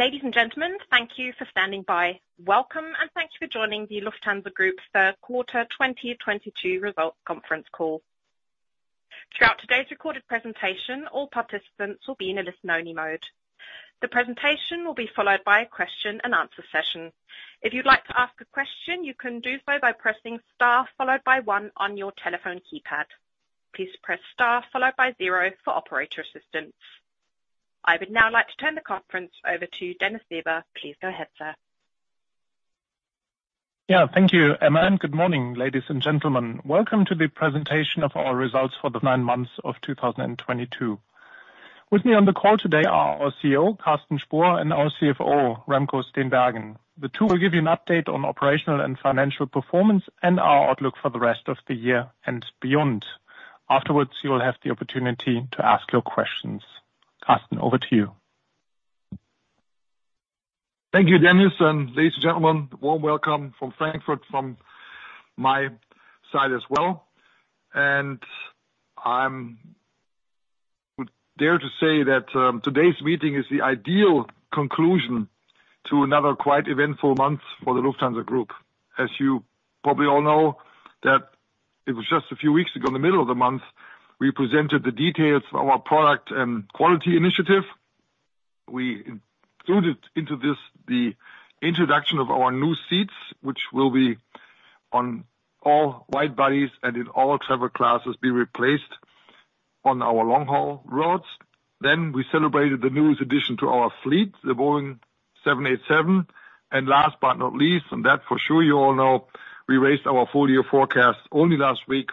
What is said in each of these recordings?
Ladies and gentlemen, thank you for standing by. Welcome, and thanks for joining the Lufthansa Group third quarter 2022 results conference call. Throughout today's recorded presentation, all participants will be in a listen-only mode. The presentation will be followed by a question-and-answer session. If you'd like to ask a question, you can do so by pressing star followed by one on your telephone keypad. Please press star followed by zero for operator assistance. I would now like to turn the conference over to Dennis Weber. Please go ahead, sir. Yeah, thank you, Emma, and good morning, ladies and gentlemen. Welcome to the presentation of our results for the nine months of 2022. With me on the call today are our CEO, Carsten Spohr, and our CFO, Remco Steenbergen. The two will give you an update on operational and financial performance and our outlook for the rest of the year and beyond. Afterwards, you will have the opportunity to ask your questions. Carsten, over to you. Thank you, Dennis, and ladies and gentlemen. Warm welcome from Frankfurt from my side as well. I dare to say that today's meeting is the ideal conclusion to another quite eventful month for the Lufthansa Group. As you probably all know, it was just a few weeks ago, in the middle of the month, we presented the details of our product and quality initiative. We included into this the introduction of our new seats, which will be on all wide bodies and in all travel classes, be replaced on our long-haul routes. We celebrated the newest addition to our fleet, the Boeing 787. Last but not least, and that for sure you all know, we raised our full-year forecast only last week,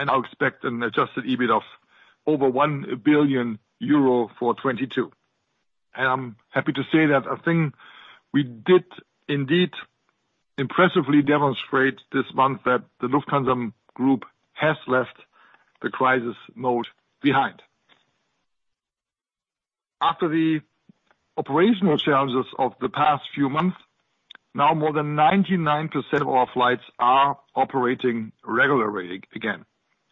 and I'll expect an Adjusted EBIT of over 1 billion euro for 2022. I'm happy to say that I think we did indeed impressively demonstrate this month that the Lufthansa Group has left the crisis mode behind. After the operational challenges of the past few months, now more than 99% of our flights are operating regularly again,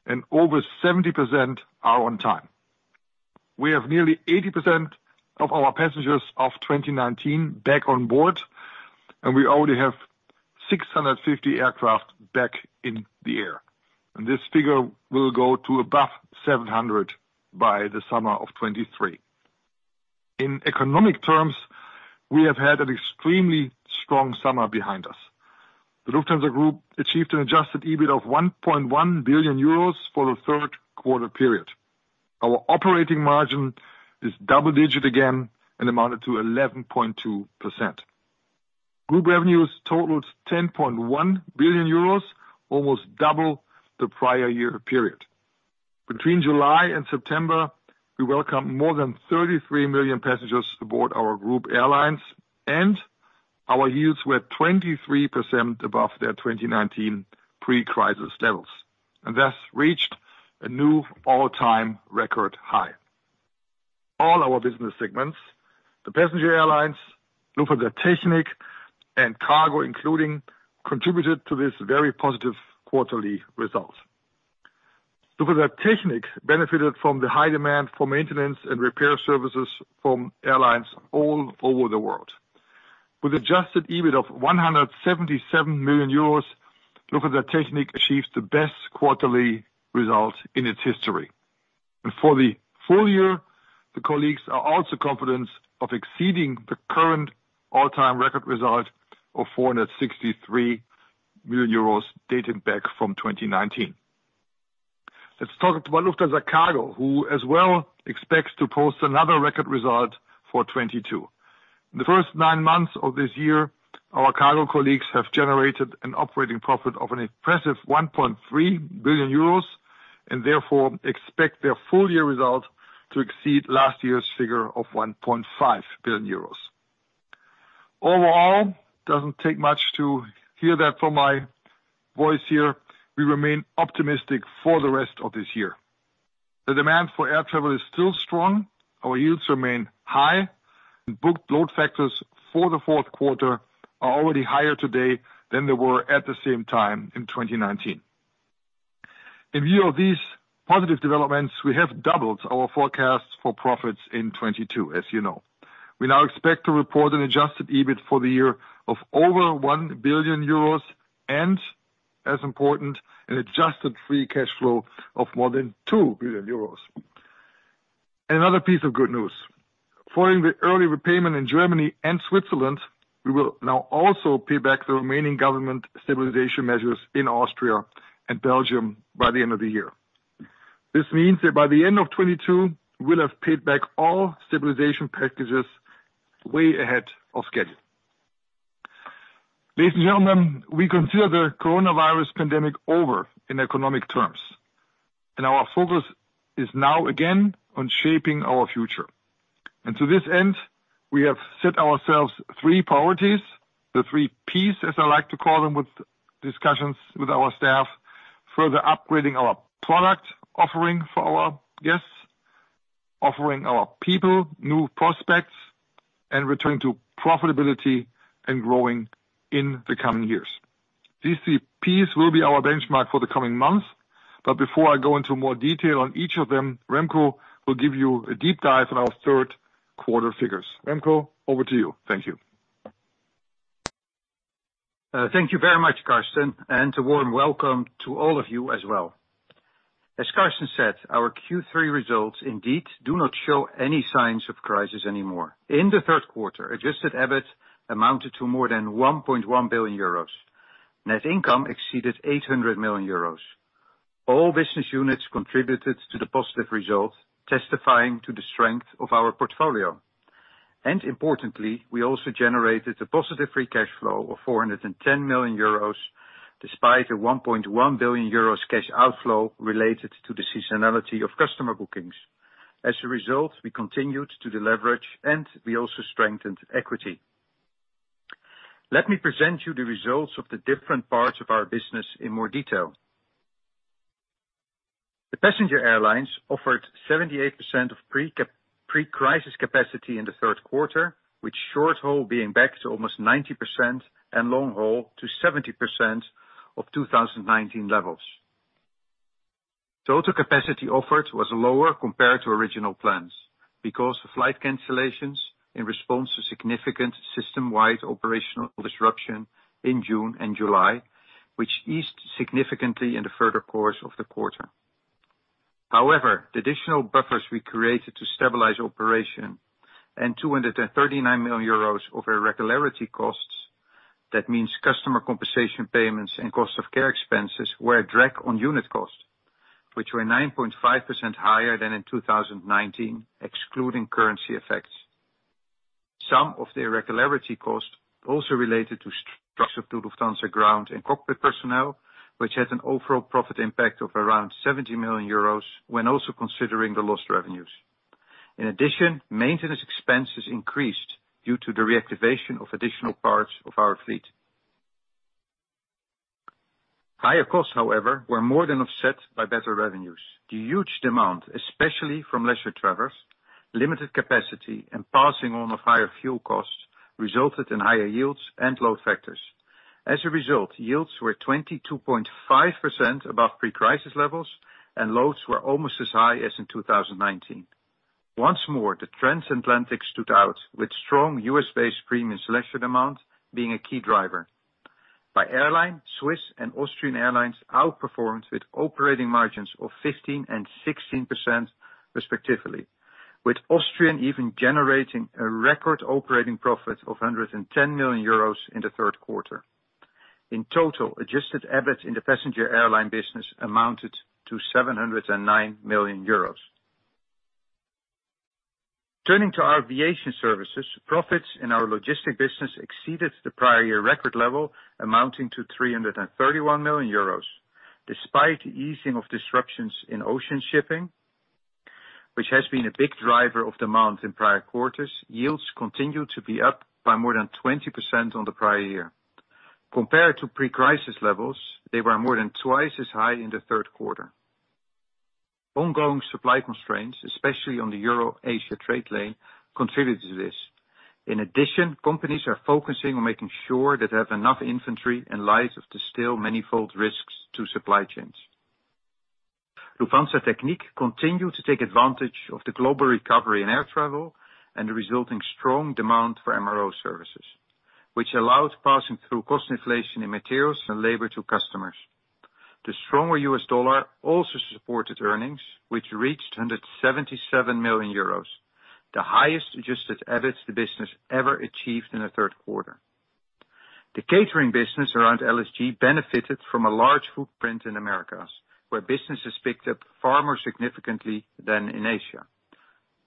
and over 70% are on time. We have nearly 80% of our passengers of 2019 back on board, and we already have 650 aircraft back in the air. This figure will go to above 700 by the summer of 2023. In economic terms, we have had an extremely strong summer behind us. The Lufthansa Group achieved an Adjusted EBIT of 1.1 billion euros for the third quarter period. Our operating margin is double digit again and amounted to 11.2%. Group revenues totaled 10.1 billion euros, almost double the prior year period. Between July and September, we welcome more than 33 million passengers aboard our group airlines, and our yields were 23% above their 2019 pre-crisis levels and thus reached a new all-time record high. All our business segments, the passenger airlines, Lufthansa Technik, and cargo including, contributed to this very positive quarterly results. Lufthansa Technik benefited from the high demand for maintenance and repair services from airlines all over the world. With Adjusted EBIT of 177 million euros, Lufthansa Technik achieves the best quarterly result in its history. For the full year, the colleagues are also confident of exceeding the current all-time record result of 463 million euros dated back from 2019. Let's talk about Lufthansa Cargo, who as well expects to post another record result for 2022. The first nine months of this year, our cargo colleagues have generated an operating profit of an impressive 1.3 billion euros and therefore expect their full year result to exceed last year's figure of 1.5 billion euros. Overall, doesn't take much to hear that from my voice here, we remain optimistic for the rest of this year. The demand for air travel is still strong, our yields remain high, and booked load factors for the fourth quarter are already higher today than they were at the same time in 2019. In view of these positive developments, we have doubled our forecast for profits in 2022, as you know. We now expect to report an adjusted EBIT for the year of over 1 billion euros and, as important, an adjusted free cash flow of more than 2 billion euros. Another piece of good news: following the early repayment in Germany and Switzerland, we will now also pay back the remaining government stabilization measures in Austria and Belgium by the end of the year. This means that by the end of 2022, we'll have paid back all stabilization packages way ahead of schedule. Ladies and gentlemen, we consider the coronavirus pandemic over in economic terms, and our focus is now again on shaping our future. To this end, we have set ourselves three priorities, the three Ps, as I like to call them, with discussions with our staff, further upgrading our product offering for our guests, offering our people new prospects, and returning to profitability and growing in the coming years. These three Ps will be our benchmark for the coming months. Before I go into more detail on each of them, Remco will give you a deep dive on our third quarter figures. Remco, over to you. Thank you. Thank you very much, Carsten, and a warm welcome to all of you as well. As Carsten said, our Q3 results indeed do not show any signs of crisis anymore. In the third quarter, Adjusted EBIT amounted to more than 1.1 billion euros. Net income exceeded 800 million euros. All business units contributed to the positive results, testifying to the strength of our portfolio. Importantly, we also generated a positive free cash flow of 410 million euros, despite a 1.1 billion euros cash outflow related to the seasonality of customer bookings. As a result, we continued to deleverage, and we also strengthened equity. Let me present you the results of the different parts of our business in more detail. The passenger airlines offered 78% of pre-crisis capacity in the third quarter, with short-haul being back to almost 90% and long-haul to 70% of 2019 levels. Total capacity offered was lower compared to original plans because of flight cancellations in response to significant system-wide operational disruption in June and July, which eased significantly in the further course of the quarter. However, the additional buffers we created to stabilize operation and 239 million euros of irregularity costs, that means customer compensation payments and cost of care expenses, were a drag on unit costs, which were 9.5% higher than in 2019, excluding currency effects. Some of the irregularity costs also related to strikes to Lufthansa ground and cockpit personnel, which had an overall profit impact of around 70 million euros when also considering the lost revenues. In addition, maintenance expenses increased due to the reactivation of additional parts of our fleet. Higher costs, however, were more than offset by better revenues. The huge demand, especially from leisure travelers, limited capacity and passing on of higher fuel costs resulted in higher yields and load factors. As a result, yields were 22.5% above pre-crisis levels, and loads were almost as high as in 2019. Once more, the transatlantic stood out with strong US-based premium selection demand being a key driver. By airline, Swiss and Austrian Airlines outperformed with operating margins of 15% and 16% respectively, with Austrian even generating a record operating profit of 110 million euros in the third quarter. In total, Adjusted EBIT in the passenger airline business amounted to 709 million euros. Turning to our aviation services, profits in our logistics business exceeded the prior year record level, amounting to 331 million euros. Despite the easing of disruptions in ocean shipping, which has been a big driver of demand in prior quarters, yields continued to be up by more than 20% on the prior year. Compared to pre-crisis levels, they were more than twice as high in the third quarter. Ongoing supply constraints, especially on the Euro-Asia trade lane, contributed to this. In addition, companies are focusing on making sure they have enough inventory in light of the still manifold risks to supply chains. Lufthansa Technik continued to take advantage of the global recovery in air travel and the resulting strong demand for MRO services, which allowed passing through cost inflation in materials and labor to customers. The stronger U.S. Dollar also supported earnings, which reached 177 million euros, the highest adjusted EBIT the business ever achieved in the third quarter. The catering business around LSG benefited from a large footprint in Americas, where businesses picked up far more significantly than in Asia.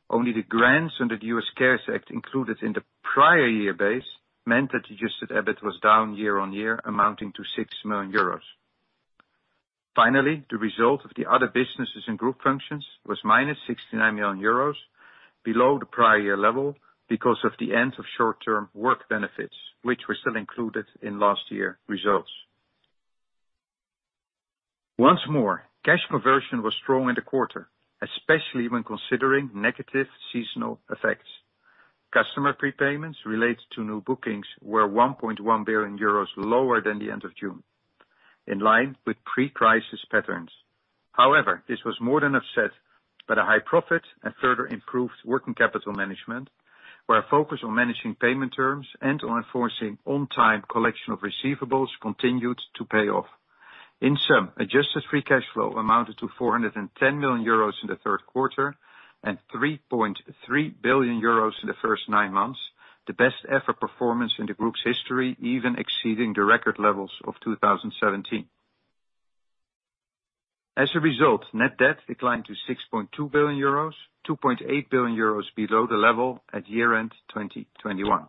Only the grants under the CARES Act included in the prior year base meant that adjusted EBIT was down year-on-year, amounting to 6 million euros. Finally, the result of the other businesses and group functions was minus 69 million euros, below the prior year level because of the end of short-term work benefits, which were still included in last year results. Once more, cash conversion was strong in the quarter, especially when considering negative seasonal effects. Customer prepayments related to new bookings were 1.1 billion euros lower than the end of June, in line with pre-crisis patterns. However, this was more than offset by the high profit and further improved working capital management, where our focus on managing payment terms and on enforcing on time collection of receivables continued to pay off. In sum, Adjusted Free Cash Flow amounted to 410 million euros in the third quarter and 3.3 billion euros in the first nine months, the best ever performance in the group's history, even exceeding the record levels of 2017. As a result, net debt declined to 6.2 billion euros, 2.8 billion euros below the level at year-end 2021.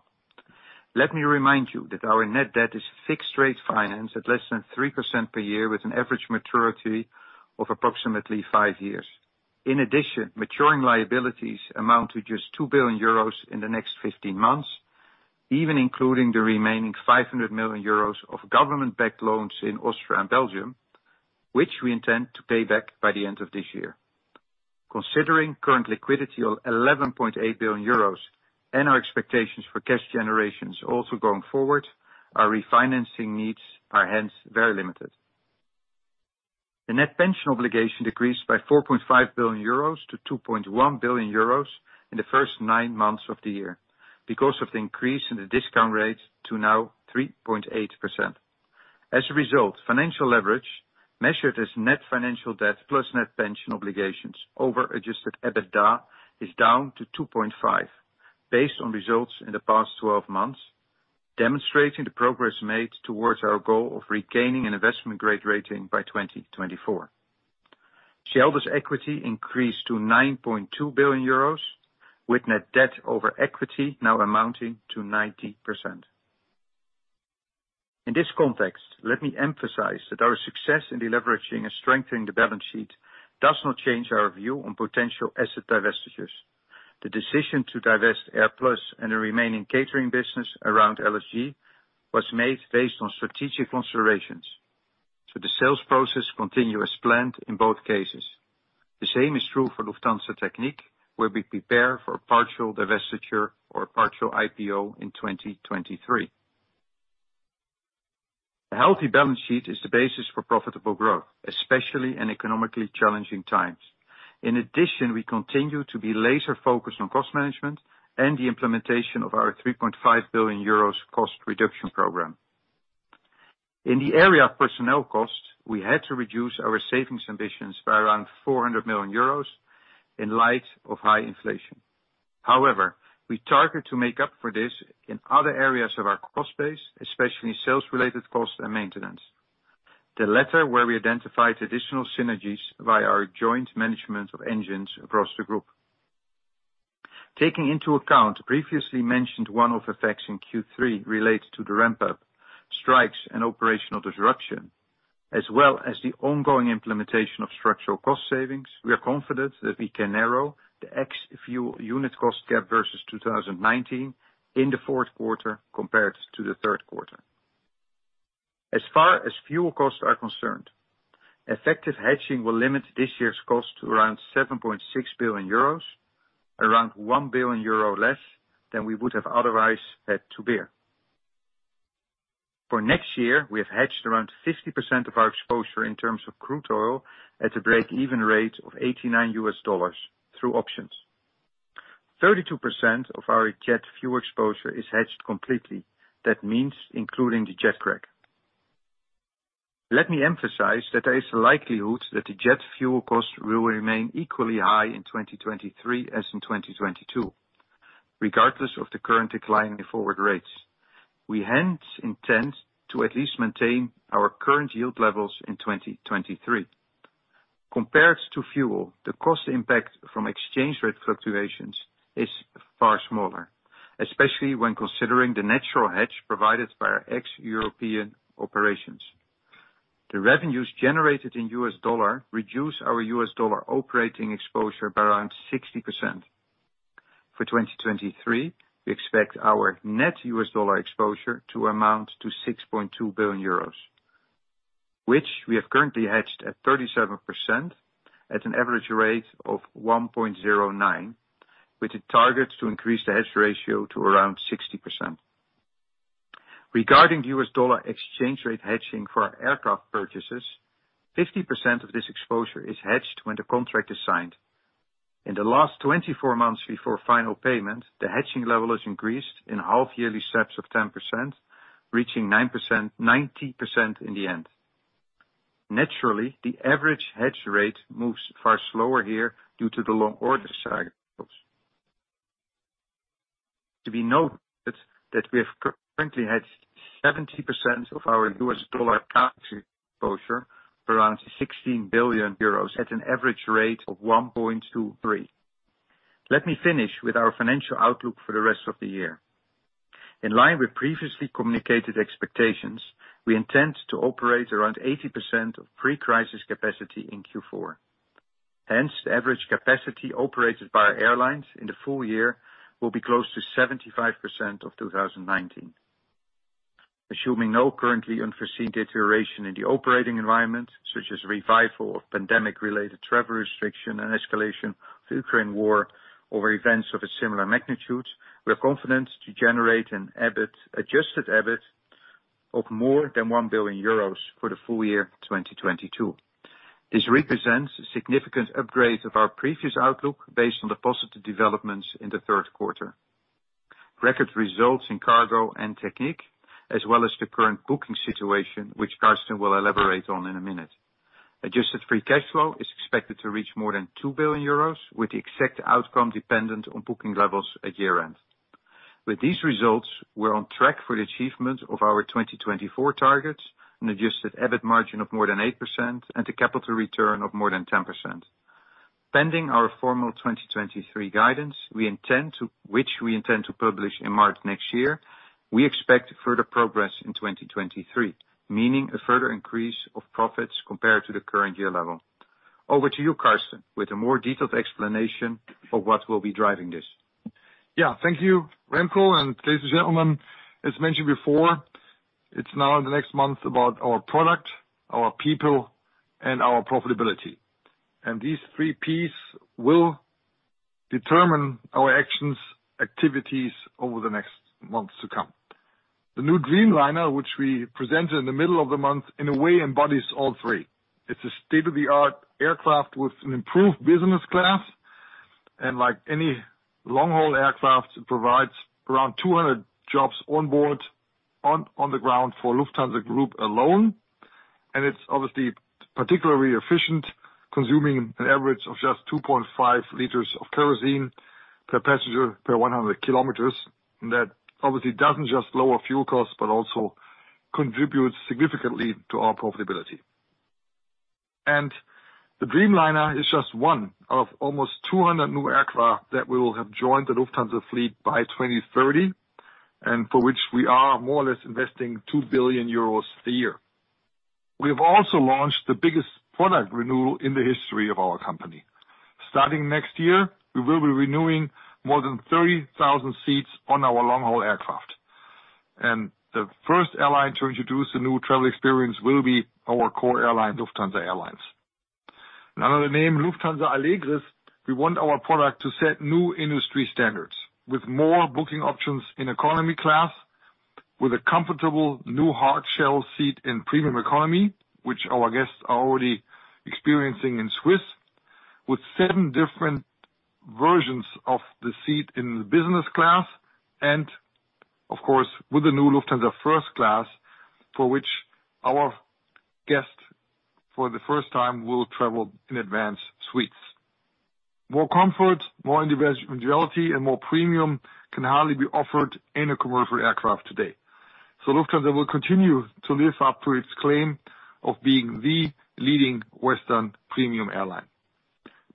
Let me remind you that our net debt is fixed rate finance at less than 3% per year with an average maturity of approximately five years. In addition, maturing liabilities amount to just 2 billion euros in the next 15 months, even including the remaining 500 million euros of government-backed loans in Austria and Belgium, which we intend to pay back by the end of this year. Considering current liquidity of 11.8 billion euros and our expectations for cash generations also going forward, our refinancing needs are hence very limited. The net pension obligation decreased by 4.5 billion euros to 2.1 billion euros in the first nine months of the year because of the increase in the discount rate to now 3.8%. As a result, financial leverage measured as net financial debt plus net pension obligations over adjusted EBITDA is down to 2.5 based on results in the past 12 months, demonstrating the progress made towards our goal of regaining an investment-grade rating by 2024. Shareholders' equity increased to 9.2 billion euros, with net debt over equity now amounting to 90%. In this context, let me emphasize that our success in deleveraging and strengthening the balance sheet does not change our view on potential asset divestitures. The decision to divest AirPlus and the remaining catering business around LSG was made based on strategic considerations. The sales process continue as planned in both cases. The same is true for Lufthansa Technik, where we prepare for a partial divestiture or a partial IPO in 2023. A healthy balance sheet is the basis for profitable growth, especially in economically challenging times. In addition, we continue to be laser-focused on cost management and the implementation of our 3.5 billion euros cost reduction program. In the area of personnel costs, we had to reduce our savings ambitions by around 400 million euros in light of high inflation. However, we target to make up for this in other areas of our cost base, especially sales-related costs and maintenance. The latter, where we identified additional synergies via our joint management of engines across the group. Taking into account previously mentioned one-off effects in Q3 related to the ramp-up, strikes and operational disruption, as well as the ongoing implementation of structural cost savings, we are confident that we can narrow the ex fuel unit cost gap versus 2019 in the fourth quarter compared to the third quarter. As far as fuel costs are concerned, effective hedging will limit this year's cost to around 7.6 billion euros, around 1 billion euro less than we would have otherwise had to bear. For next year, we have hedged around 50% of our exposure in terms of crude oil at a break-even rate of $89 through options. 32% of our jet fuel exposure is hedged completely. That means including the jet crack. Let me emphasize that there is a likelihood that the jet fuel cost will remain equally high in 2023 as in 2022, regardless of the current decline in the forward rates. We hence intend to at least maintain our current yield levels in 2023. Compared to fuel, the cost impact from exchange rate fluctuations is far smaller, especially when considering the natural hedge provided by our ex European operations. The revenues generated in U.S. dollar reduce our U.S. dollar operating exposure by around 60%. For 2023, we expect our net U.S. dollar exposure to amount to 6.2 billion euros, which we have currently hedged at 37% at an average rate of 1.09, with the target to increase the hedge ratio to around 60%. Regarding the U.S. dollar exchange rate hedging for our aircraft purchases, 50% of this exposure is hedged when the contract is signed. In the last 24 months before final payment, the hedging level is increased in half-yearly steps of 10%, reaching 90% in the end. Naturally, the average hedge rate moves far slower here due to the long order cycles. To be noted that we have currently hedged 70% of our US dollar currency exposure for around 16 billion euros at an average rate of 1.23. Let me finish with our financial outlook for the rest of the year. In line with previously communicated expectations, we intend to operate around 80% of pre-crisis capacity in Q4. Hence, the average capacity operated by airlines in the full year will be close to 75% of 2019. Assuming no currently unforeseen deterioration in the operating environment, such as revival of pandemic-related travel restriction and escalation of the Ukraine war or events of a similar magnitude, we are confident to generate an adjusted EBIT of more than 1 billion euros for the full year 2022. This represents a significant upgrade of our previous outlook based on the positive developments in the third quarter. Record results in Cargo and Technik, as well as the current booking situation, which Carsten will elaborate on in a minute. Adjusted free cash flow is expected to reach more than 2 billion euros, with the exact outcome dependent on booking levels at year-end. With these results, we're on track for the achievement of our 2024 targets, an adjusted EBIT margin of more than 8% and a capital return of more than 10%. Pending our formal 2023 guidance, which we intend to publish in March next year, we expect further progress in 2023, meaning a further increase of profits compared to the current year level. Over to you, Carsten, with a more detailed explanation of what will be driving this. Yeah, thank you, Remco, and ladies and gentlemen. As mentioned before, it's now in the next month about our product, our people, and our profitability. These three Ps will determine our actions, activities over the next months to come. The new Dreamliner, which we presented in the middle of the month, in a way embodies all three. It's a state-of-the-art aircraft with an improved business class and like any long-haul aircraft, it provides around 200 jobs on board, on the ground for Lufthansa Group alone. It's obviously particularly efficient, consuming an average of just 2.5 liters of kerosene per passenger per 100 kilometers. That obviously doesn't just lower fuel costs, but also contributes significantly to our profitability. The Dreamliner is just one of almost 200 new aircraft that will have joined the Lufthansa fleet by 2030, and for which we are more or less investing 2 billion euros a year. We have also launched the biggest product renewal in the history of our company. Starting next year, we will be renewing more than 30,000 seats on our long-haul aircraft. The first airline to introduce the new travel experience will be our core airline, Lufthansa Airlines. Under the name Lufthansa Allegris, we want our product to set new industry standards with more booking options in economy class, with a comfortable new hard shell seat in premium economy, which our guests are already experiencing in Swiss, with seven different versions of the seat in business class and, of course, with the new Lufthansa first class, for which our guests for the first time will travel in advance suites. More comfort, more individuality, and more premium can hardly be offered in a commercial aircraft today. Lufthansa will continue to live up to its claim of being the leading Western premium airline.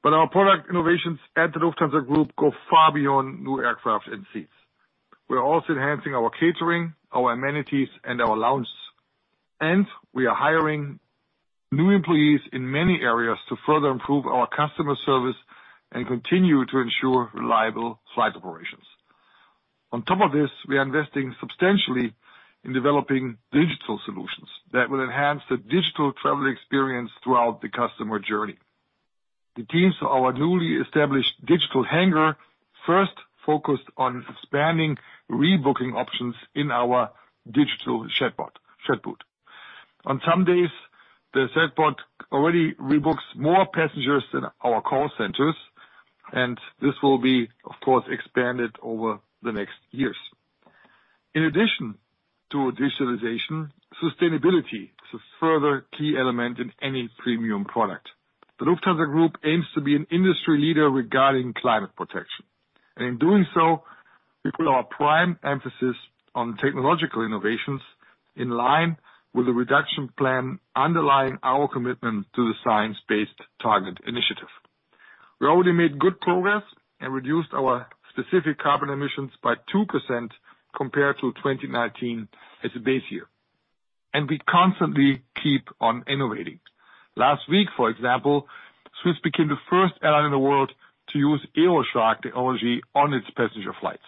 Our product innovations at the Lufthansa Group go far beyond new aircraft and seats. We're also enhancing our catering, our amenities, and our lounges. We are hiring new employees in many areas to further improve our customer service and continue to ensure reliable flight operations. On top of this, we are investing substantially in developing digital solutions that will enhance the digital travel experience throughout the customer journey. The teams of our newly established Digital Hangar first focused on expanding rebooking options in our digital chatbot. On some days, the chatbot already rebooks more passengers than our call centers, and this will be, of course, expanded over the next years. In addition to digitalization, sustainability is a further key element in any premium product. The Lufthansa Group aims to be an industry leader regarding climate protection. In doing so, we put our prime emphasis on technological innovations in line with the reduction plan underlying our commitment to the Science Based Targets initiative. We already made good progress and reduced our specific carbon emissions by 2% compared to 2019 as a base year. We constantly keep on innovating. Last week, for example, Swiss became the first airline in the world to use AeroSHARK technology on its passenger flights.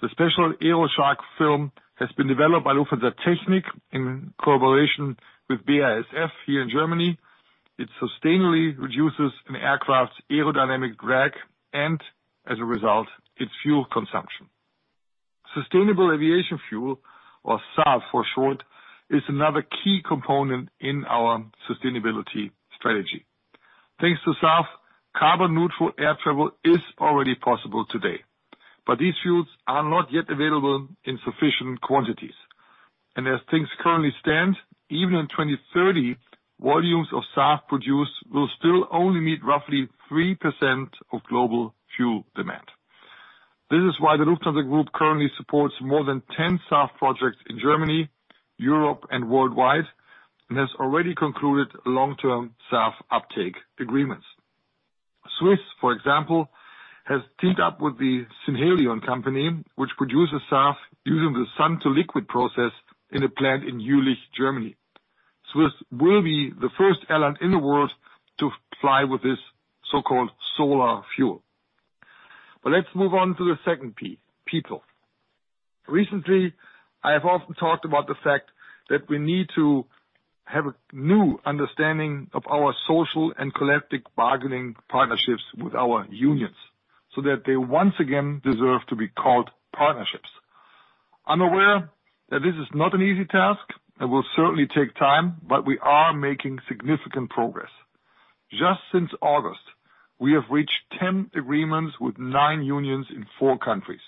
The special AeroSHARK film has been developed by Lufthansa Technik in cooperation with BASF here in Germany. It sustainably reduces an aircraft's aerodynamic drag and, as a result, its fuel consumption. Sustainable aviation fuel, or SAF for short, is another key component in our sustainability strategy. Thanks to SAF, carbon-neutral air travel is already possible today, but these fuels are not yet available in sufficient quantities. As things currently stand, even in 2030, volumes of SAF produced will still only meet roughly 3% of global fuel demand. This is why the Lufthansa Group currently supports more than 10 SAF projects in Germany, Europe, and worldwide, and has already concluded long-term SAF uptake agreements. Swiss, for example, has teamed up with the Synhelion company, which produces SAF using the sun-to-liquid process in a plant in Jülich, Germany. Swiss will be the first airline in the world to fly with this so-called solar fuel. Let's move on to the second P, people. Recently, I have often talked about the fact that we need to have a new understanding of our social and collective bargaining partnerships with our unions so that they once again deserve to be called partnerships. I'm aware that this is not an easy task and will certainly take time, but we are making significant progress. Just since August, we have reached 10 agreements with nine unions in four countries.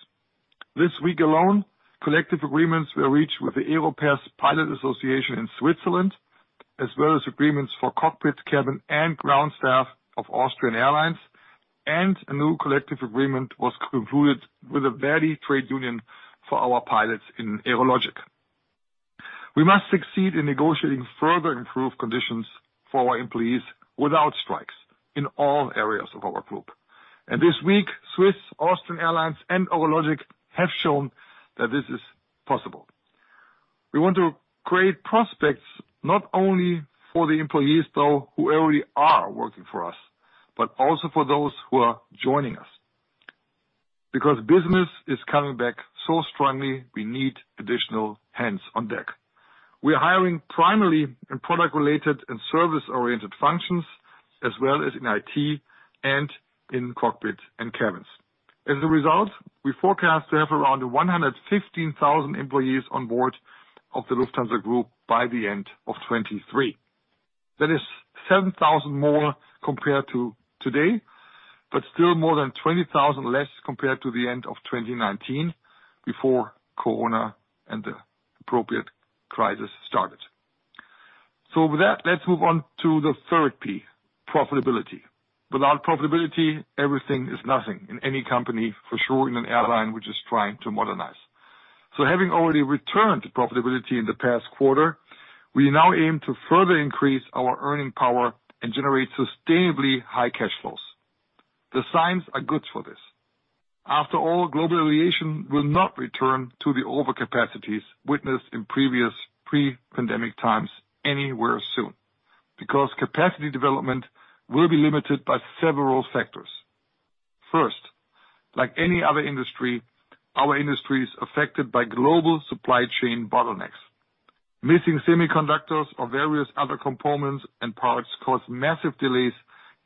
This week alone, collective agreements were reached with the AEROPERS Pilot Association in Switzerland, as well as agreements for cockpit, cabin, and ground staff of Austrian Airlines, and a new collective agreement was concluded with the ver.di trade union for our pilots in Eurowings. We must succeed in negotiating further improved conditions for our employees without strikes in all areas of our group. This week, Swiss, Austrian Airlines, and Eurowings have shown that this is possible. We want to create prospects, not only for the employees, though, who already are working for us, but also for those who are joining us. Because business is coming back so strongly, we need additional hands on deck. We are hiring primarily in product-related and service-oriented functions, as well as in IT and in cockpit and cabins. As a result, we forecast to have around 115,000 employees on board of the Lufthansa Group by the end of 2023. That is 7,000 more compared to today, but still more than 20,000 less compared to the end of 2019 before Corona and the appropriate crisis started. With that, let's move on to the third P, profitability. Without profitability, everything is nothing in any company, for sure in an airline which is trying to modernize. Having already returned to profitability in the past quarter, we now aim to further increase our earning power and generate sustainably high cash flows. The signs are good for this. After all, global aviation will not return to the overcapacities witnessed in previous pre-pandemic times anywhere soon, because capacity development will be limited by several factors. First, like any other industry, our industry is affected by global supply chain bottlenecks. Missing semiconductors or various other components and products cause massive delays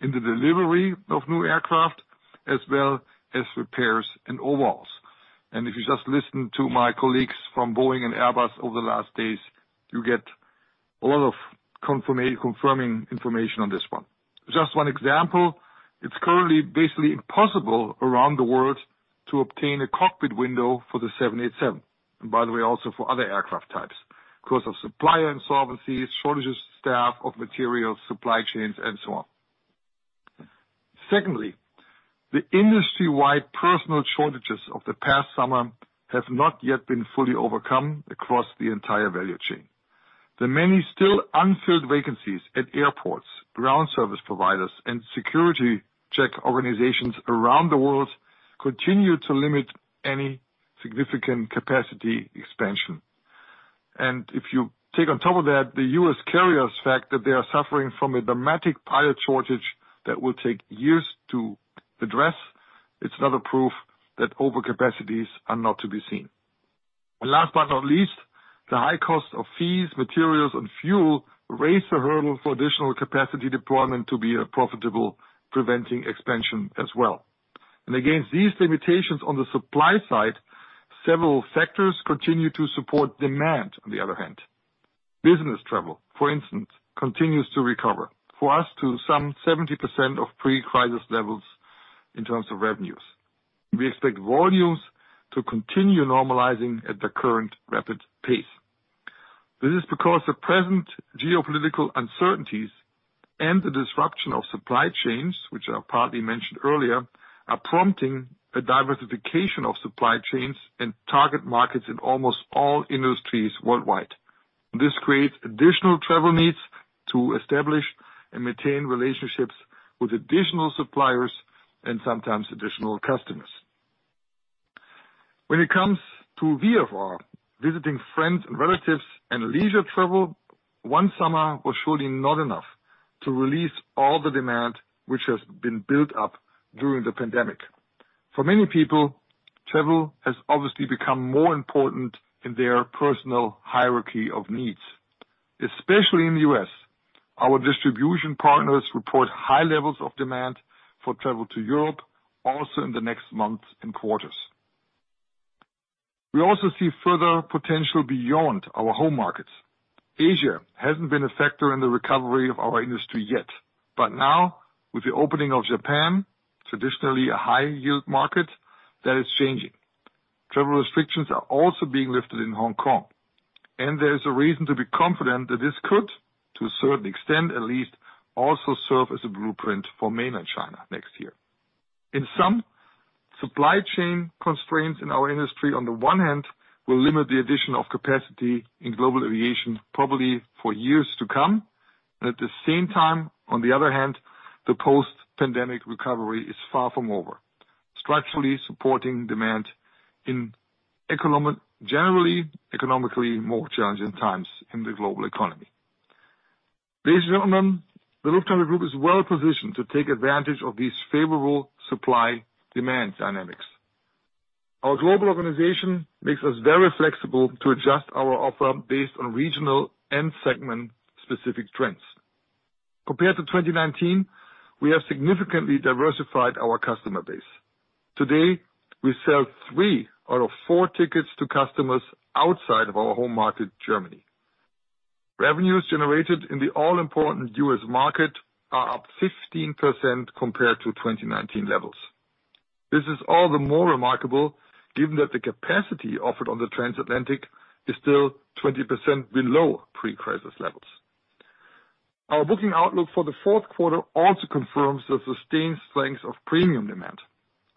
in the delivery of new aircraft, as well as repairs and overhauls. If you just listen to my colleagues from Boeing and Airbus over the last days, you get a lot of confirming information on this one. Just one example, it's currently basically impossible around the world to obtain a cockpit window for the seven eight seven, and by the way, also for other aircraft types because of supplier insolvencies, shortages of staff, materials, supply chains, and so on. Secondly, the industry-wide personnel shortages of the past summer have not yet been fully overcome across the entire value chain. The many still unfilled vacancies at airports, ground service providers, and security check organizations around the world continue to limit any significant capacity expansion. If you take on top of that the fact that U.S. carriers are suffering from a dramatic pilot shortage that will take years to address, it's another proof that overcapacities are not to be seen. Last but not least, the high cost of fees, materials, and fuel raises the hurdle for additional capacity deployment to be profitable, preventing expansion as well. Against these limitations on the supply side, several factors continue to support demand, on the other hand. Business travel, for instance, continues to recover. For us to some 70% of pre-crisis levels in terms of revenues. We expect volumes to continue normalizing at the current rapid pace. This is because the present geopolitical uncertainties and the disruption of supply chains, which I partly mentioned earlier, are prompting a diversification of supply chains and target markets in almost all industries worldwide. This creates additional travel needs to establish and maintain relationships with additional suppliers and sometimes additional customers. When it comes to VFR, visiting friends and relatives and leisure travel, one summer was surely not enough to release all the demand which has been built up during the pandemic. For many people, travel has obviously become more important in their personal hierarchy of needs, especially in the U.S. Our distribution partners report high levels of demand for travel to Europe, also in the next months and quarters. We also see further potential beyond our home markets. Asia hasn't been a factor in the recovery of our industry yet, but now, with the opening of Japan, traditionally a high yield market, that is changing. Travel restrictions are also being lifted in Hong Kong, and there's a reason to be confident that this could, to a certain extent at least, also serve as a blueprint for mainland China next year. In sum, supply chain constraints in our industry, on the one hand, will limit the addition of capacity in global aviation, probably for years to come. At the same time, on the other hand, the post-pandemic recovery is far from over, structurally supporting demand in generally, economically more challenging times in the global economy. Based on them, the Lufthansa Group is well positioned to take advantage of these favorable supply-demand dynamics. Our global organization makes us very flexible to adjust our offer based on regional and segment-specific trends. Compared to 2019, we have significantly diversified our customer base. Today, we sell 3 out of 4 tickets to customers outside of our home market, Germany. Revenues generated in the all-important U.S. market are up 15% compared to 2019 levels. This is all the more remarkable, given that the capacity offered on the transatlantic is still 20% below pre-crisis levels. Our booking outlook for the fourth quarter also confirms the sustained strengths of premium demand.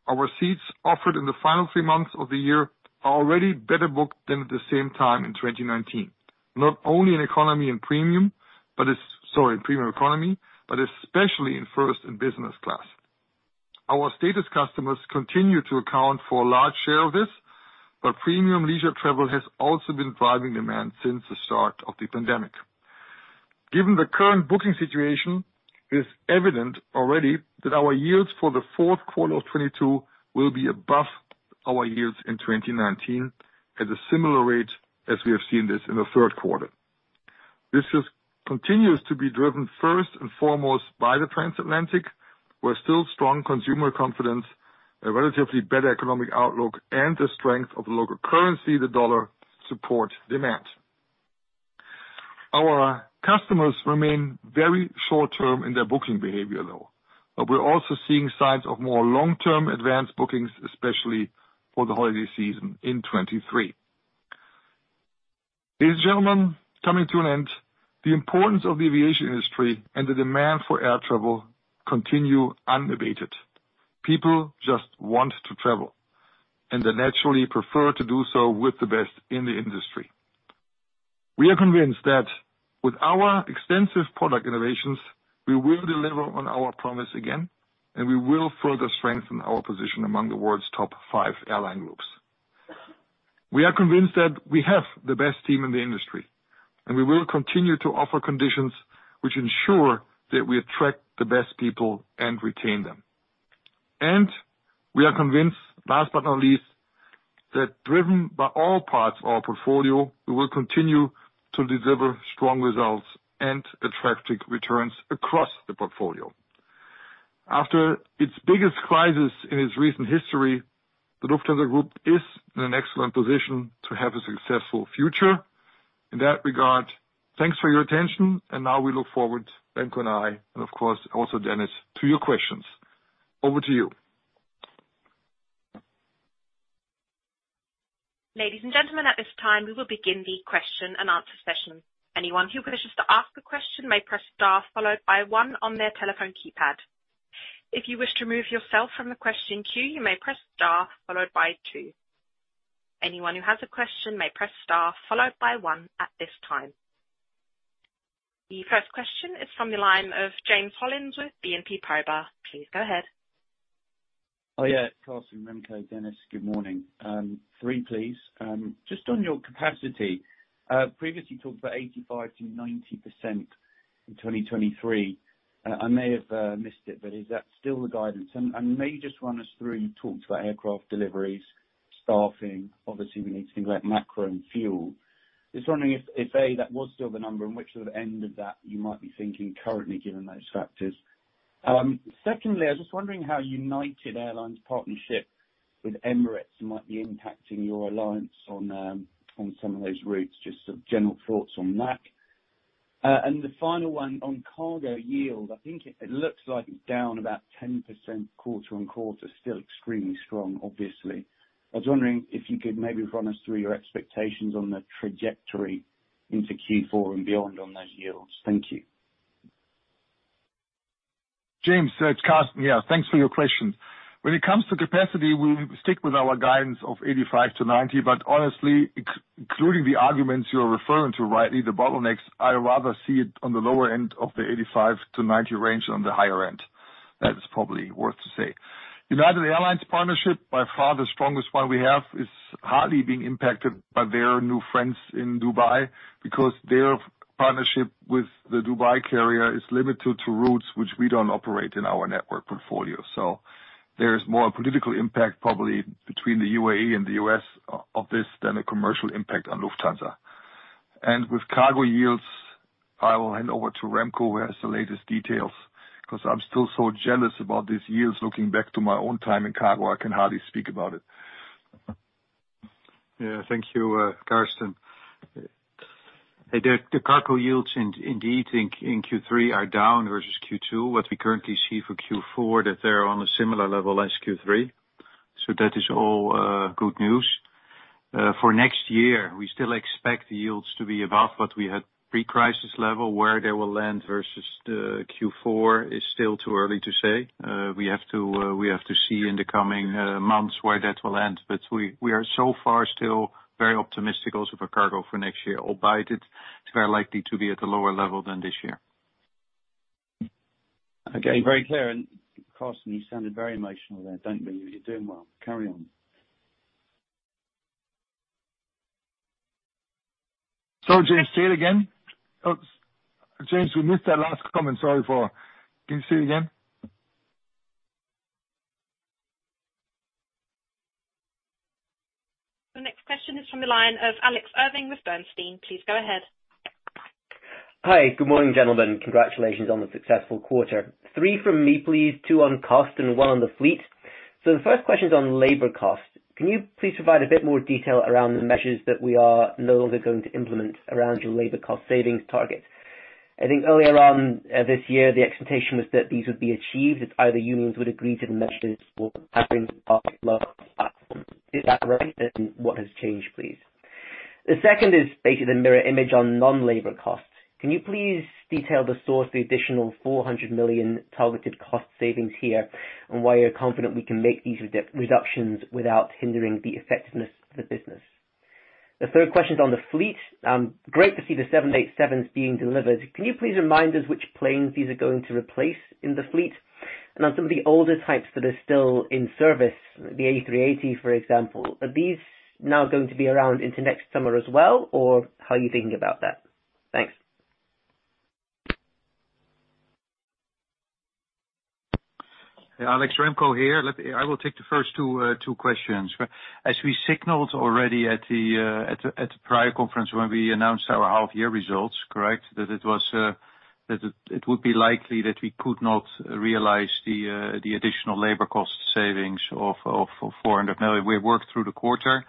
Our seats offered in the final three months of the year are already better booked than at the same time in 2019, not only in economy and premium economy, but especially in first and business class. Our status customers continue to account for a large share of this, but premium leisure travel has also been driving demand since the start of the pandemic. Given the current booking situation, it's evident already that our yields for the fourth quarter of 2022 will be above our yields in 2019 at a similar rate as we have seen this in the third quarter. This continues to be driven first and foremost by the transatlantic, where still strong consumer confidence, a relatively better economic outlook, and the strength of the local currency, the U.S. Dollar, support demand. Our customers remain very short-term in their booking behavior, though. We're also seeing signs of more long-term advanced bookings, especially for the holiday season in 2023. Ladies and gentlemen, coming to an end, the importance of the aviation industry and the demand for air travel continue unabated. People just want to travel, and they naturally prefer to do so with the best in the industry. We are convinced that with our extensive product innovations, we will deliver on our promise again, and we will further strengthen our position among the world's top five airline groups. We are convinced that we have the best team in the industry, and we will continue to offer conditions which ensure that we attract the best people and retain them. We are convinced, last but not least, that driven by all parts of our portfolio, we will continue to deliver strong results and attractive returns across the portfolio. After its biggest crisis in its recent history, the Lufthansa Group is in an excellent position to have a successful future. In that regard, thanks for your attention, and now we look forward, Remco and I, and of course also Dennis, to your questions. Over to you. Ladies and gentlemen, at this time, we will begin the question-and-answer session. Anyone who wishes to ask a question may press star followed by one on their telephone keypad. If you wish to remove yourself from the question queue, you may press star followed by two. Anyone who has a question may press star followed by one at this time. The first question is from the line of James Hollins with BNP Paribas. Please go ahead. Oh, yeah, Carsten, Remco, Dennis, good morning. Three, please. Just on your capacity, previously you talked about 85%-90% in 2023. I may have missed it, but is that still the guidance? May you just run us through, you talked about aircraft deliveries, staffing, obviously we need to think about macro and fuel. Just wondering if A, that was still the number and which sort of end of that you might be thinking currently given those factors. Secondly, I was just wondering how United Airlines partnership with Emirates might be impacting your alliance on some of those routes, just sort of general thoughts on that. The final one on cargo yield, I think it looks like it's down about 10% quarter-on-quarter, still extremely strong, obviously. I was wondering if you could maybe run us through your expectations on the trajectory into Q4 and beyond on those yields. Thank you. James, it's Carsten. Yeah, thanks for your question. When it comes to capacity, we stick with our guidance of 85%-90%, but honestly, excluding the arguments you're referring to, rightly, the bottlenecks, I rather see it on the lower end of the 85%-90% range than the higher end. That is probably worth to say. United Airlines partnership, by far the strongest one we have, is hardly being impacted by their new friends in Dubai because their partnership with the Dubai carrier is limited to routes which we don't operate in our network portfolio. There is more political impact probably between the UAE and the U.S. of this than a commercial impact on Lufthansa. With cargo yields, I will hand over to Remco, who has the latest details, 'cause I'm still so jealous about these yields looking back to my own time in cargo. I can hardly speak about it. Yeah. Thank you, Carsten. The cargo yields indeed in Q3 are down versus Q2. What we currently see for Q4, that they're on a similar level as Q3, so that is all good news. For next year, we still expect yields to be above what we had pre-crisis level. Where they will land versus the Q4 is still too early to say. We have to see in the coming months where that will end. We are so far still very optimistic of a cargo for next year, albeit it's very likely to be at a lower level than this year. Again, very clear. Carsten, you sounded very emotional there. Don't be. You're doing well. Carry on. Sorry, James. Say it again. Oh, James, we missed that last comment. Can you say it again? The next question is from the line of Alex Irving with Bernstein. Please go ahead. Hi. Good morning, gentlemen. Congratulations on the successful quarter. Three from me, please, two on cost and one on the fleet. The first question's on labor cost. Can you please provide a bit more detail around the measures that we are no longer going to implement around your labor cost savings target? I think earlier on, this year, the expectation was that these would be achieved if either unions would agree to the measures or happen to pass laws. Is that right? What has changed, please? The second is basically the mirror image on non-labor costs. Can you please detail the source, the additional 400 million targeted cost savings here, and why you're confident we can make these reductions without hindering the effectiveness of the business? The third question's on the fleet. Great to see the seven eight sevens being delivered. Can you please remind us which planes these are going to replace in the fleet? On some of the older types that are still in service, the A380, for example. Are these now going to be around into next summer as well, or how are you thinking about that? Thanks. Alex, Remco here. I will take the first two questions. As we signaled already at the prior conference when we announced our half-year results, correct? That it would be likely that we could not realize the additional labor cost savings of 400 million. We have worked through the quarter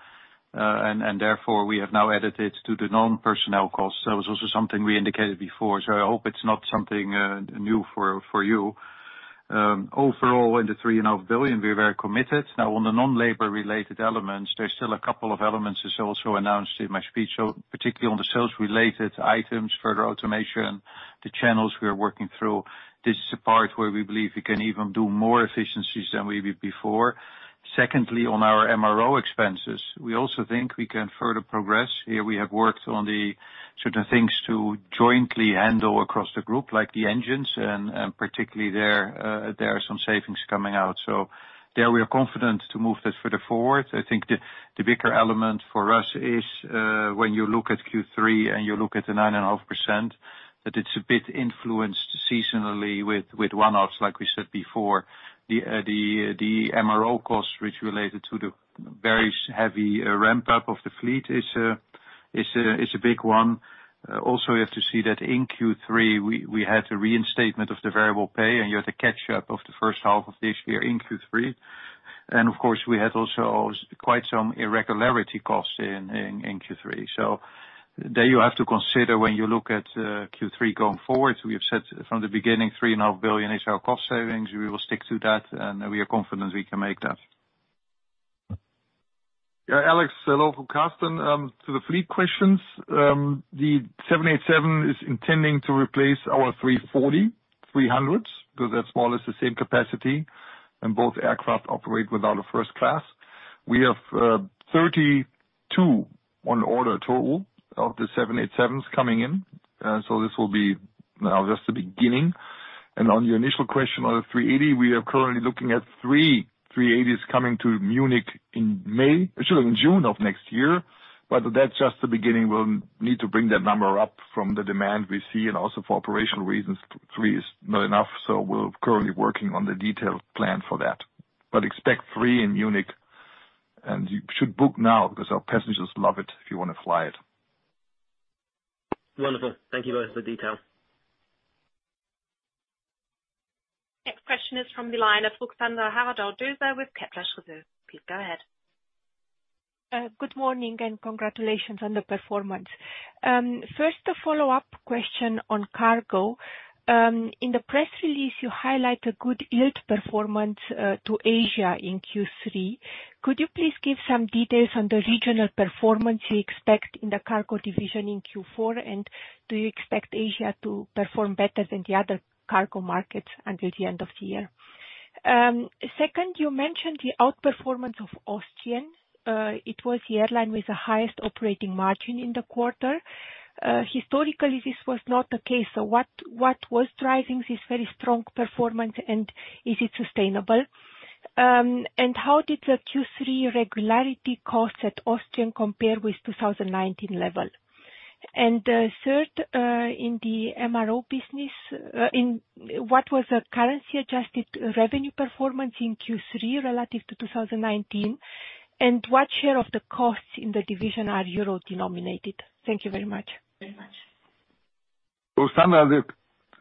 and therefore we have now added it to the non-personnel costs. That was also something we indicated before, so I hope it's not something new for you. Overall, in the 3.5 billion, we're very committed. Now, on the non-labor related elements, there's still a couple of elements as I also announced in my speech. Particularly on the sales related items, further automation, the channels we are working through, this is a part where we believe we can even do more efficiencies than we did before. Secondly, on our MRO expenses, we also think we can further progress. Here, we have worked on the certain things to jointly handle across the group, like the engines, and particularly there are some savings coming out. There we are confident to move that further forward. I think the bigger element for us is, when you look at Q3 and you look at the 9.5%, that it's a bit influenced seasonally with one-offs like we said before. The MRO cost, which related to the very heavy ramp up of the fleet is a big one. Also, you have to see that in Q3 we had a reinstatement of the variable pay, and you had the catch-up of the first half of this year in Q3. Of course, we had also quite some irregularity costs in Q3. There you have to consider when you look at Q3 going forward. We have said from the beginning, three and a half billion is our cost savings. We will stick to that and we are confident we can make that. Yeah, Alex, hello from Carsten. To the fleet questions. The 787 is intending to replace our 340-300s, because they're small as the same capacity and both aircraft operate without a first class. We have 32 on order total of the 787s coming in. So this will be now just the beginning. On your initial question, on the 380, we are currently looking at three 380s coming to Munich in May, excuse me, in June of next year. That's just the beginning. We'll need to bring that number up from the demand we see, and also for operational reasons, three is not enough, so we're currently working on the detailed plan for that. Expect three in Munich, and you should book now because our passengers love it if you wanna fly it. Wonderful. Thank you both for the detail. Next question is from the line of Ruxandra Haradau-Doser with Kepler Cheuvreux. Please go ahead. Good morning and congratulations on the performance. First a follow-up question on cargo. In the press release, you highlight a good yield performance to Asia in Q3. Could you please give some details on the regional performance you expect in the cargo division in Q4? Do you expect Asia to perform better than the other cargo markets until the end of the year? Second, you mentioned the outperformance of Austrian. It was the airline with the highest operating margin in the quarter. Historically, this was not the case, so what was driving this very strong performance, and is it sustainable? How did the Q3 regularity costs at Austrian compare with 2019 level? Third, in the MRO business, what was the currency adjusted revenue performance in Q3 relative to 2019? What share of the costs in the division are euro-denominated? Thank you very much. Ruxandra, the